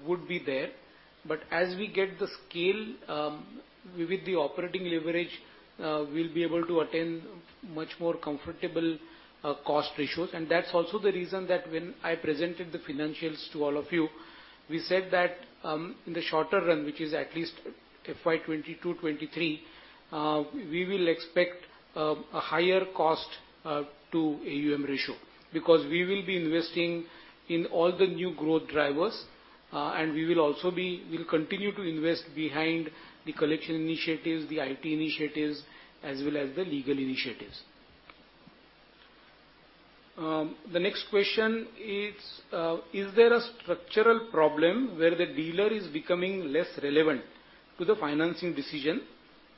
would be there. As we get the scale, with the operating leverage, we'll be able to attain much more comfortable cost ratios. That's also the reason that when I presented the financials to all of you, we said that, in the shorter run, which is at least FY 2022, 2023, we will expect a higher cost to AUM ratio because we will be investing in all the new growth drivers, and we'll continue to invest behind the collection initiatives, the IT initiatives, as well as the legal initiatives. The next question is: Is there a structural problem where the dealer is becoming less relevant to the financing decision,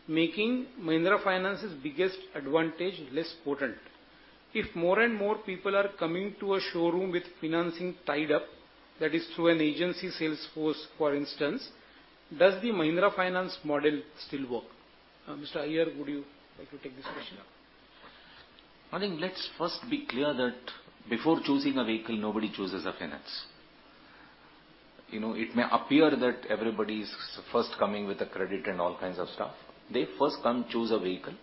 making Mahindra Finance's biggest advantage less potent? If more and more people are coming to a showroom with financing tied up, that is through an agency sales force, for instance, does the Mahindra Finance model still work? Mr. Iyer, would you like to take this question? I think let's first be clear that before choosing a vehicle, nobody chooses a finance. You know, it may appear that everybody's first coming with a credit and all kinds of stuff. They first come choose a vehicle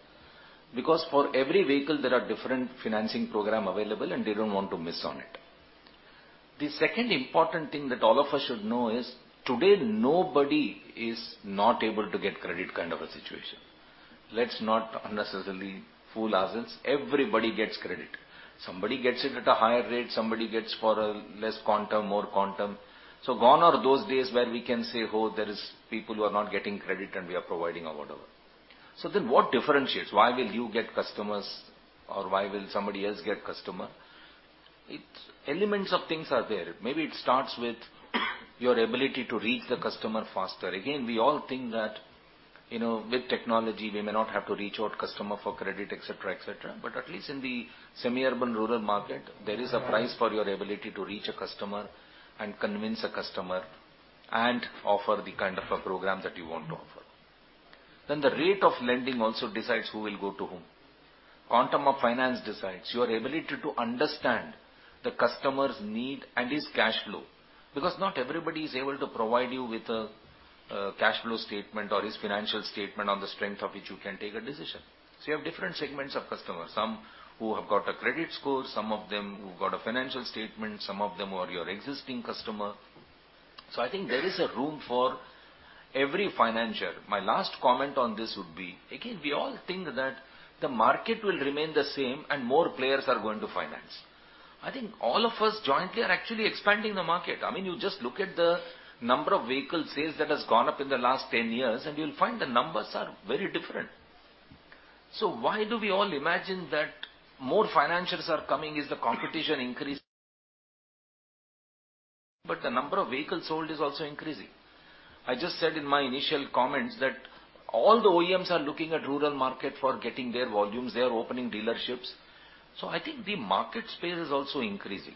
because for every vehicle, there are different financing program available, and they don't want to miss on it. The second important thing that all of us should know is today, nobody is not able to get credit kind of a situation. Let's not unnecessarily fool ourselves. Everybody gets credit. Somebody gets it at a higher rate, somebody gets for a less quantum, more quantum. Gone are those days where we can say, "Oh, there is people who are not getting credit and we are providing," or whatever. Then what differentiates? Why will you get customers or why will somebody else get customer? It's elements of things are there. Maybe it starts with your ability to reach the customer faster. Again, we all think that, you know, with technology, we may not have to reach out customer for credit, et cetera, et cetera. At least in the semi-urban rural market, there is a price for your ability to reach a customer and convince a customer and offer the kind of a program that you want to offer. The rate of lending also decides who will go to whom. Quantum of finance decides. Your ability to understand the customer's need and his cash flow, because not everybody is able to provide you with a cash flow statement or his financial statement on the strength of which you can take a decision. You have different segments of customers, some who have got a credit score, some of them who've got a financial statement, some of them who are your existing customer. I think there is a room for every financier. My last comment on this would be, again, we all think that the market will remain the same and more players are going to finance. I think all of us jointly are actually expanding the market. I mean, you just look at the number of vehicle sales that has gone up in the last 10 years, and you'll find the numbers are very different. Why do we all imagine that more financiers are coming? Is the competition increasing? The number of vehicles sold is also increasing. I just said in my initial comments that all the OEMs are looking at rural market for getting their volumes. They are opening dealerships. I think the market space is also increasing.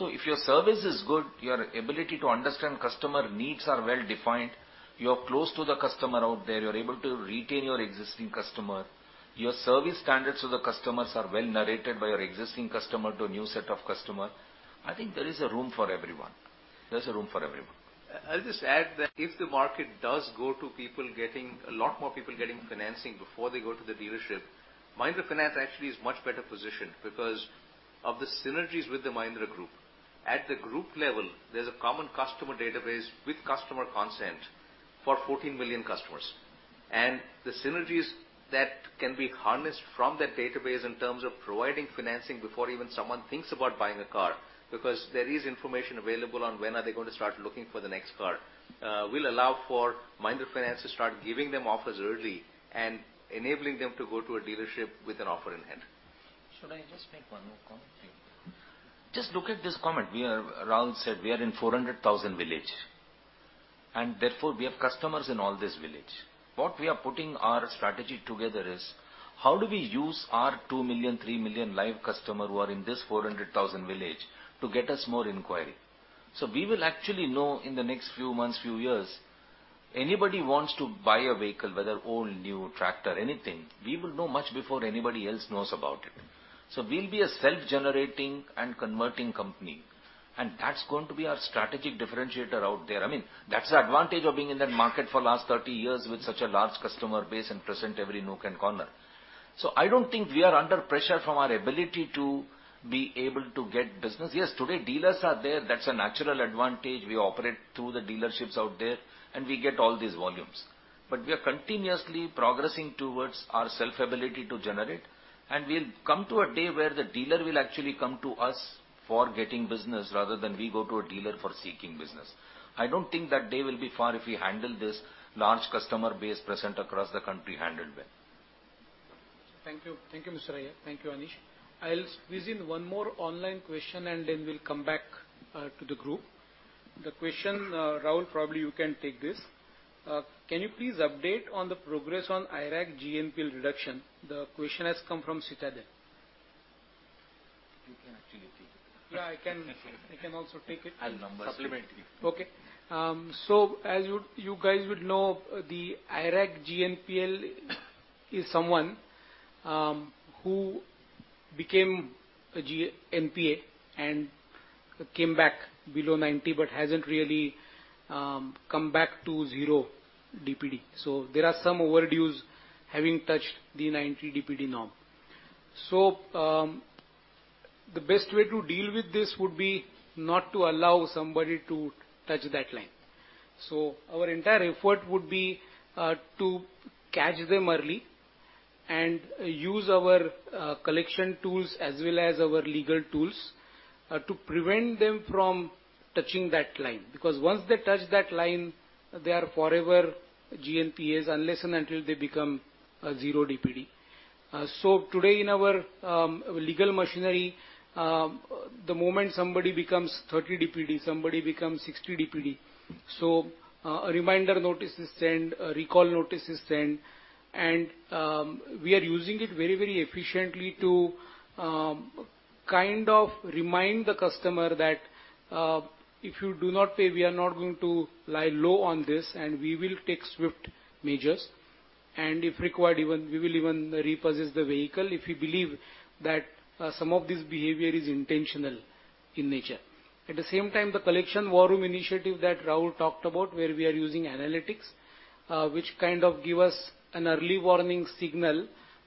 If your service is good, your ability to understand customer needs are well defined, you are close to the customer out there, you're able to retain your existing customer, your service standards to the customers are well narrated by your existing customer to a new set of customer, I think there is a room for everyone. There's a room for everyone. I'll just add that if the market does go to a lot more people getting financing before they go to the dealership, Mahindra Finance actually is much better positioned because of the synergies with the Mahindra Group. At the group level, there's a common customer database with customer consent for 14 million customers. The synergies that can be harnessed from that database in terms of providing financing before even someone thinks about buying a car, because there is information available on when are they gonna start looking for the next car, will allow for Mahindra Finance to start giving them offers early and enabling them to go to a dealership with an offer in hand. Should I just make one more comment? Just look at this comment. We are. Raul said we are in 400,000 villages, and therefore we have customers in all these villages. What we are putting our strategy together is how do we use our 2 million, 3 million live customers who are in these 400,000 villages to get us more inquiries? We will actually know in the next few months, few years, anybody wants to buy a vehicle, whether old, new, tractor, anything, we will know much before anybody else knows about it. We'll be a self-generating and converting company, and that's going to be our strategic differentiator out there. I mean, that's the advantage of being in that market for the last 30 years with such a large customer base and presence in every nook and corner. I don't think we are under pressure from our ability to be able to get business. Yes, today dealers are there. That's a natural advantage. We operate through the dealerships out there, and we get all these volumes. We are continuously progressing towards our self-ability to generate, and we'll come to a day where the dealer will actually come to us for getting business rather than we go to a dealer for seeking business. I don't think that day will be far if we handle this large customer base present across the country handled well. Thank you. Thank you, Mr. Iyer. Thank you, Anish. I'll squeeze in one more online question and then we'll come back to the group. The question, Raul, probably you can take this. Can you please update on the progress on IRAC GNPL reduction? The question has come from Citadel. You can actually take it. Yeah, I can also take it. I'll now supplement you. Okay. As you guys would know, the IRAC GNPL is someone who became a GNPA and came back below 90, but hasn't really come back to 0 DPD. The best way to deal with this would be not to allow somebody to touch that line. Our entire effort would be to catch them early and use our collection tools as well as our legal tools to prevent them from touching that line. Because once they touch that line, they are forever GNPAs unless and until they become 0 DPD. Today in our legal machinery, the moment somebody becomes 30 DPD, somebody becomes 60 DPD, a reminder notice is sent, a recall notice is sent, and we are using it very, very efficiently to kind of remind the customer that if you do not pay, we are not going to lie low on this, and we will take swift measures. If required, we will even repossess the vehicle if we believe that some of this behavior is intentional in nature. At the same time, the collection war room initiative that Raul talked about, where we are using analytics, which kind of give us an early warning signal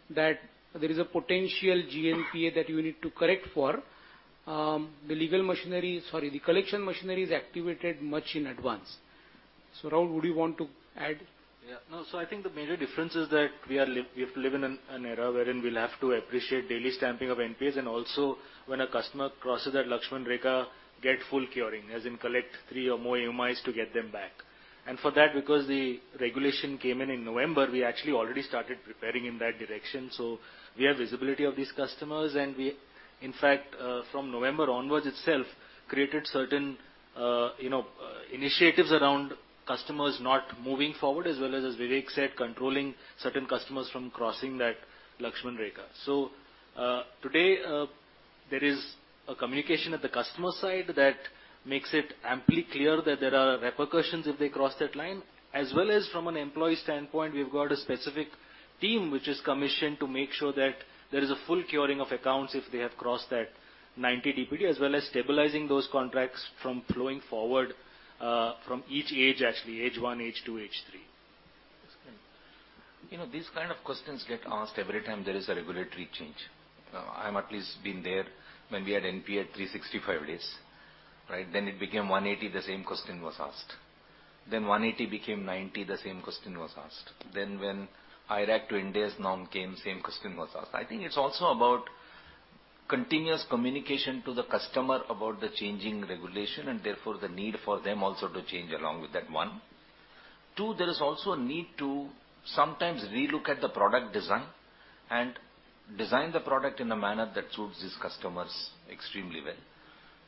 that there is a potential GNPA that you need to correct for, the collection machinery is activated much in advance. Raul Rebello, would you want to add? Yeah. No. I think the major difference is that we live in an era wherein we'll have to appreciate daily stamping of NPAs and also when a customer crosses that Lakshman Rekha get full curing, as in collect three or more EMIs to get them back. For that, because the regulation came in in November, we actually already started preparing in that direction. We have visibility of these customers and we, in fact, from November onwards itself created certain, you know, initiatives around customers not moving forward as well as Vivek said, controlling certain customers from crossing that Lakshman Rekha. Today, there is a communication at the customer side that makes it amply clear that there are repercussions if they cross that line. As well as from an employee standpoint, we've got a specific team which is commissioned to make sure that there is a full curing of accounts if they have crossed that 90 DPD, as well as stabilizing those contracts from flowing forward, from each age actually, age one, age two, age three. You know, these kind of questions get asked every time there is a regulatory change. I'm at least been there when we had NPA at 365 days, right? Then it became 180, the same question was asked. Then 180 became 90, the same question was asked. Then when IRAC to Ind AS norm came, same question was asked. I think it's also about continuous communication to the customer about the changing regulation and therefore the need for them also to change along with that, one. Two, there is also a need to sometimes relook at the product design and design the product in a manner that suits these customers extremely well.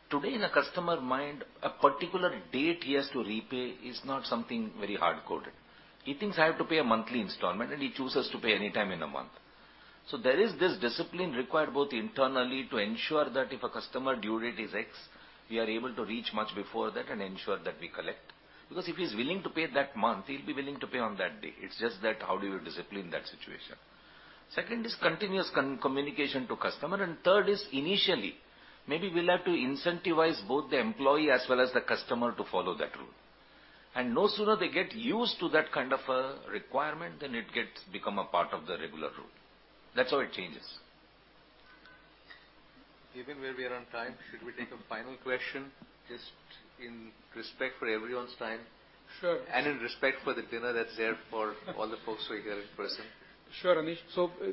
Today, in a customer mind, a particular date he has to repay is not something very hard coded. He thinks I have to pay a monthly installment, and he chooses to pay any time in a month. There is this discipline required both internally to ensure that if a customer due date is X, we are able to reach much before that and ensure that we collect. Because if he's willing to pay that month, he'll be willing to pay on that day. It's just that how do you discipline that situation. Second is continuous communication to customer, and third is initially, maybe we'll have to incentivize both the employee as well as the customer to follow that rule. No sooner they get used to that kind of a requirement, then it gets become a part of the regular rule. That's how it changes. Given where we are on time, should we take a final question just in respect for everyone's time? Sure. In respect for the dinner that's there for all the folks who are here in person. Sure, Anish.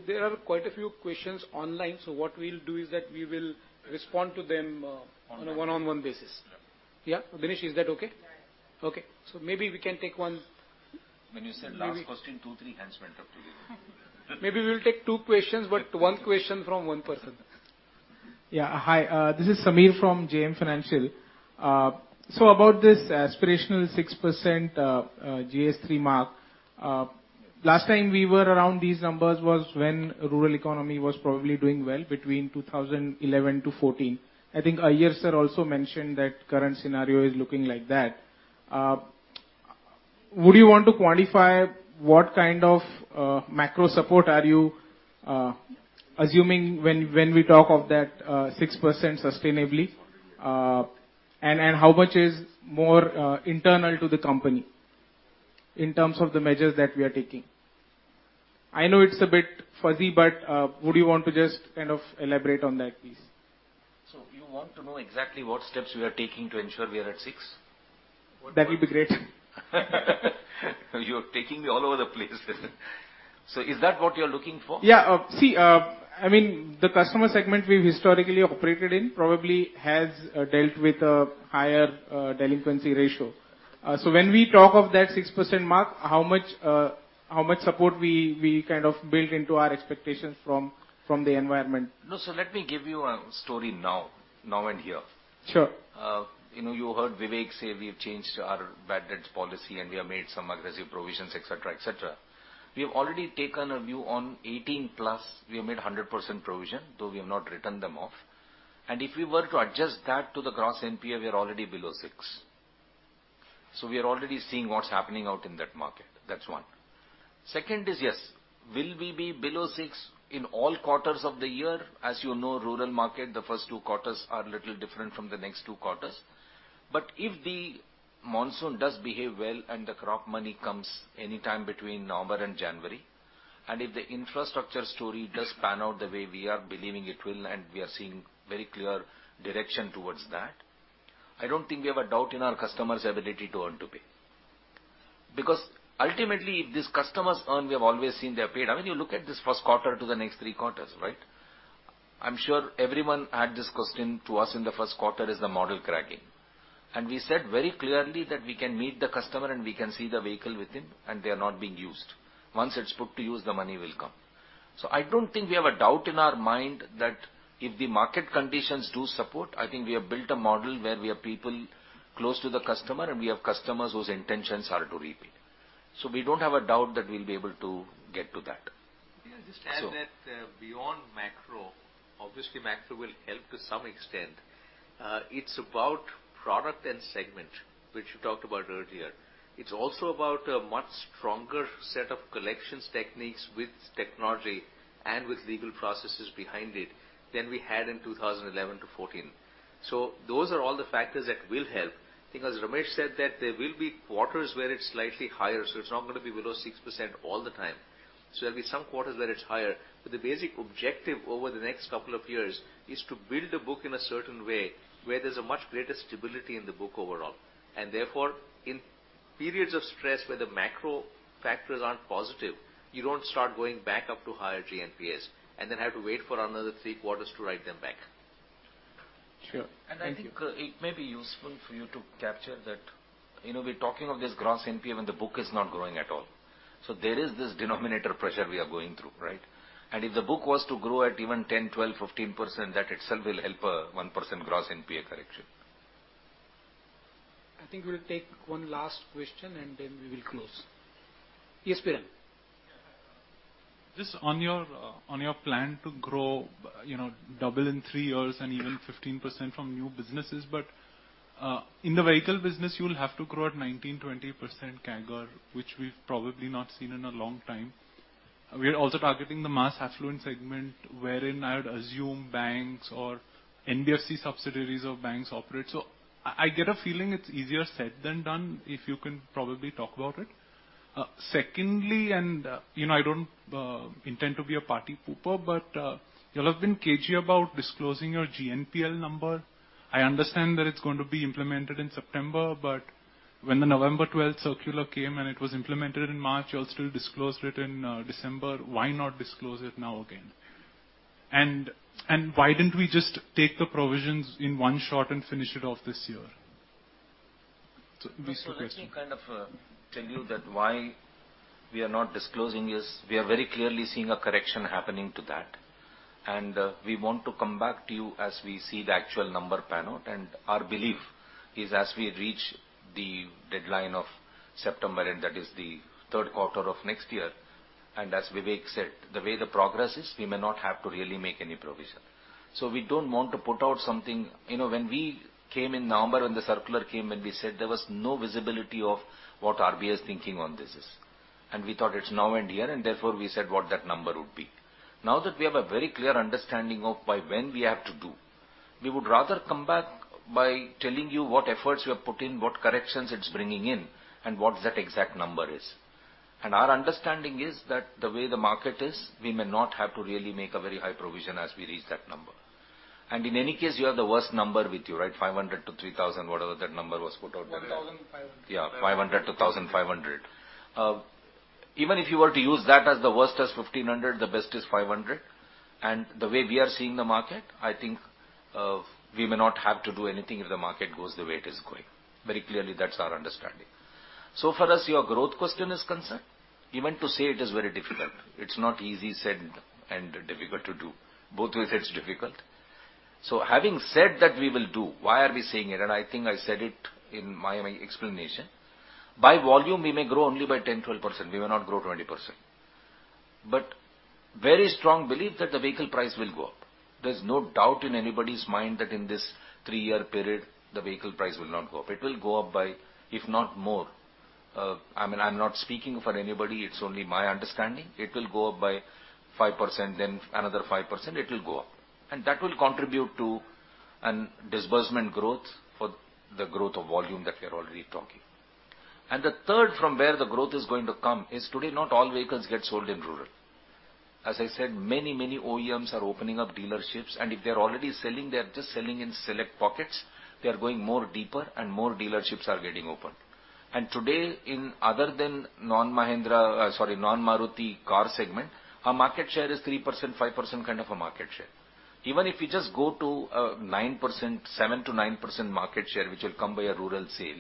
There are quite a few questions online. What we'll do is that we will respond to them on a one-on-one basis. Yeah. Yeah. Anish Shah, is that okay? Yeah. Okay. Maybe we can take one. When you said last question, 2, 3 hands went up. Maybe we'll take two questions, but one question from one person. Yeah. Hi, this is Samir from JM Financial. So about this aspirational 6%, GS3 mark, last time we were around these numbers was when rural economy was probably doing well between 2011-2014. I think Iyer sir also mentioned that current scenario is looking like that. Would you want to quantify what kind of macro support are you assuming when we talk of that 6% sustainably? And how much is more internal to the company in terms of the measures that we are taking? I know it's a bit fuzzy, but would you want to just kind of elaborate on that, please? You want to know exactly what steps we are taking to ensure we are at six? That would be great. You're taking me all over the place. Is that what you're looking for? Yeah. See, I mean, the customer segment we've historically operated in probably has dealt with a higher delinquency ratio. When we talk of that 6% mark, how much support we kind of build into our expectations from the environment? No. Let me give you a story now and here. Sure. You know, you heard Vivek say we've changed our bad debts policy and we have made some aggressive provisions, et cetera, et cetera. We have already taken a view on 18 plus, we have made 100% provision, though we have not written them off. If we were to adjust that to the gross NPA, we are already below 6%. So we are already seeing what's happening out in that market. That's one. Second is, yes, will we be below 6% in all quarters of the year? As you know, rural market, the first two quarters are a little different from the next two quarters. If the monsoon does behave well and the crop money comes anytime between November and January, and if the infrastructure story does pan out the way we are believing it will, and we are seeing very clear direction towards that, I don't think we have a doubt in our customers' ability to earn and pay. Because ultimately, if these customers earn, we have always seen they have paid. I mean, you look at this first quarter to the next three quarters, right? I'm sure everyone had this question to us in the first quarter, "Is the model cracking?" We said very clearly that we can meet the customer and we can see the vehicle with him and they are not being used. Once it's put to use, the money will come. I don't think we have a doubt in our mind that if the market conditions do support, I think we have built a model where we have people close to the customer and we have customers whose intentions are to repay. We don't have a doubt that we'll be able to get to that. May I just add that beyond macro, obviously macro will help to some extent. It's about product and segment, which you talked about earlier. It's also about a much stronger set of collections techniques with technology and with legal processes behind it than we had in 2011-2014. Those are all the factors that will help because Ramesh said that there will be quarters where it's slightly higher, so it's not gonna be below 6% all the time. There'll be some quarters where it's higher. The basic objective over the next couple of years is to build a book in a certain way where there's a much greater stability in the book overall. In periods of stress where the macro factors aren't positive, you don't start going back up to higher GNPA, and then have to wait for another three quarters to write them back. Sure. Thank you. I think it may be useful for you to capture that, you know, we're talking of this gross NPA when the book is not growing at all. There is this denominator pressure we are going through, right? If the book was to grow at even 10, 12, 15%, that itself will help a 1% gross NPA correction. I think we'll take one last question and then we will close. Yes, Biraj. Just on your plan to grow, you know, double in three years and even 15% from new businesses. In the vehicle business, you will have to grow at 19%-20% CAGR, which we've probably not seen in a long time. We are also targeting the mass affluent segment, wherein I would assume banks or NBFC subsidiaries of banks operate. I get a feeling it's easier said than done, if you can probably talk about it. Secondly, you know, I don't intend to be a party pooper, but you all have been cagey about disclosing your GNPL number. I understand that it's going to be implemented in September, but when the November 12th circular came and it was implemented in March, you all still disclosed it in December. Why not disclose it now again? Why didn't we just take the provisions in one shot and finish it off this year? Let me kind of tell you that why we are not disclosing is we are very clearly seeing a correction happening to that. We want to come back to you as we see the actual number pan out. Our belief is as we reach the deadline of September, and that is the third quarter of next year, and as Vivek said, the way the progress is, we may not have to really make any provision. We don't want to put out something. You know, when we came in November, when the circular came and we said there was no visibility of what RBI is thinking on this is. We thought it's now and here, and therefore, we said what that number would be. Now that we have a very clear understanding of by when we have to do, we would rather come back by telling you what efforts we have put in, what corrections it's bringing in, and what that exact number is. Our understanding is that the way the market is, we may not have to really make a very high provision as we reach that number. In any case, you have the worst number with you, right? 500-3,000, whatever that number was put out there. 1,500. Yeah, 500-1,500. Even if you were to use that as the worst as 1,500, the best is 500. The way we are seeing the market, I think, we may not have to do anything if the market goes the way it is going. Very clearly, that's our understanding. For us, your growth question is concerned, even to say it is very difficult. It's not easy said and difficult to do. Both ways, it's difficult. Having said that we will do, why are we saying it? I think I said it in my explanation. By volume, we may grow only by 10, 12%. We may not grow 20%. Very strong belief that the vehicle price will go up. There's no doubt in anybody's mind that in this three-year period, the vehicle price will not go up. It will go up by, if not more. I mean, I'm not speaking for anybody. It's only my understanding. It will go up by 5%, then another 5%, it will go up. That will contribute to a disbursement growth for the growth of volume that we are already talking. The third from where the growth is going to come is today, not all vehicles get sold in rural. As I said, many, many OEMs are opening up dealerships, and if they're already selling, they're just selling in select pockets. They are going more deeper and more dealerships are getting opened. Today, in other than non-Mahindra, sorry, non-Maruti car segment, our market share is 3%, 5% kind of a market share. Even if you just go to 9%, 7%-9% market share, which will come by a rural sale,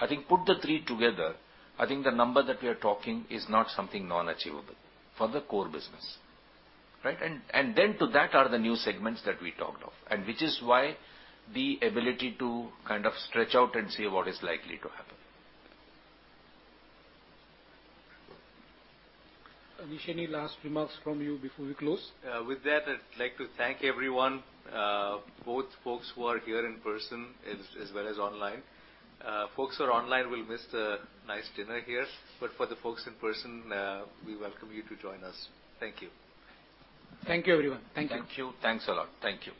I think put the three together, I think the number that we are talking is not something non-achievable for the core business, right? Then to that are the new segments that we talked of, and which is why the ability to kind of stretch out and say what is likely to happen. Anish, any last remarks from you before we close? With that, I'd like to thank everyone, both folks who are here in person as well as online. Folks who are online will miss the nice dinner here, but for the folks in person, we welcome you to join us. Thank you. Thank you everyone. Thank you. Thank you. Thanks a lot. Thank you.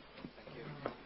Thank you.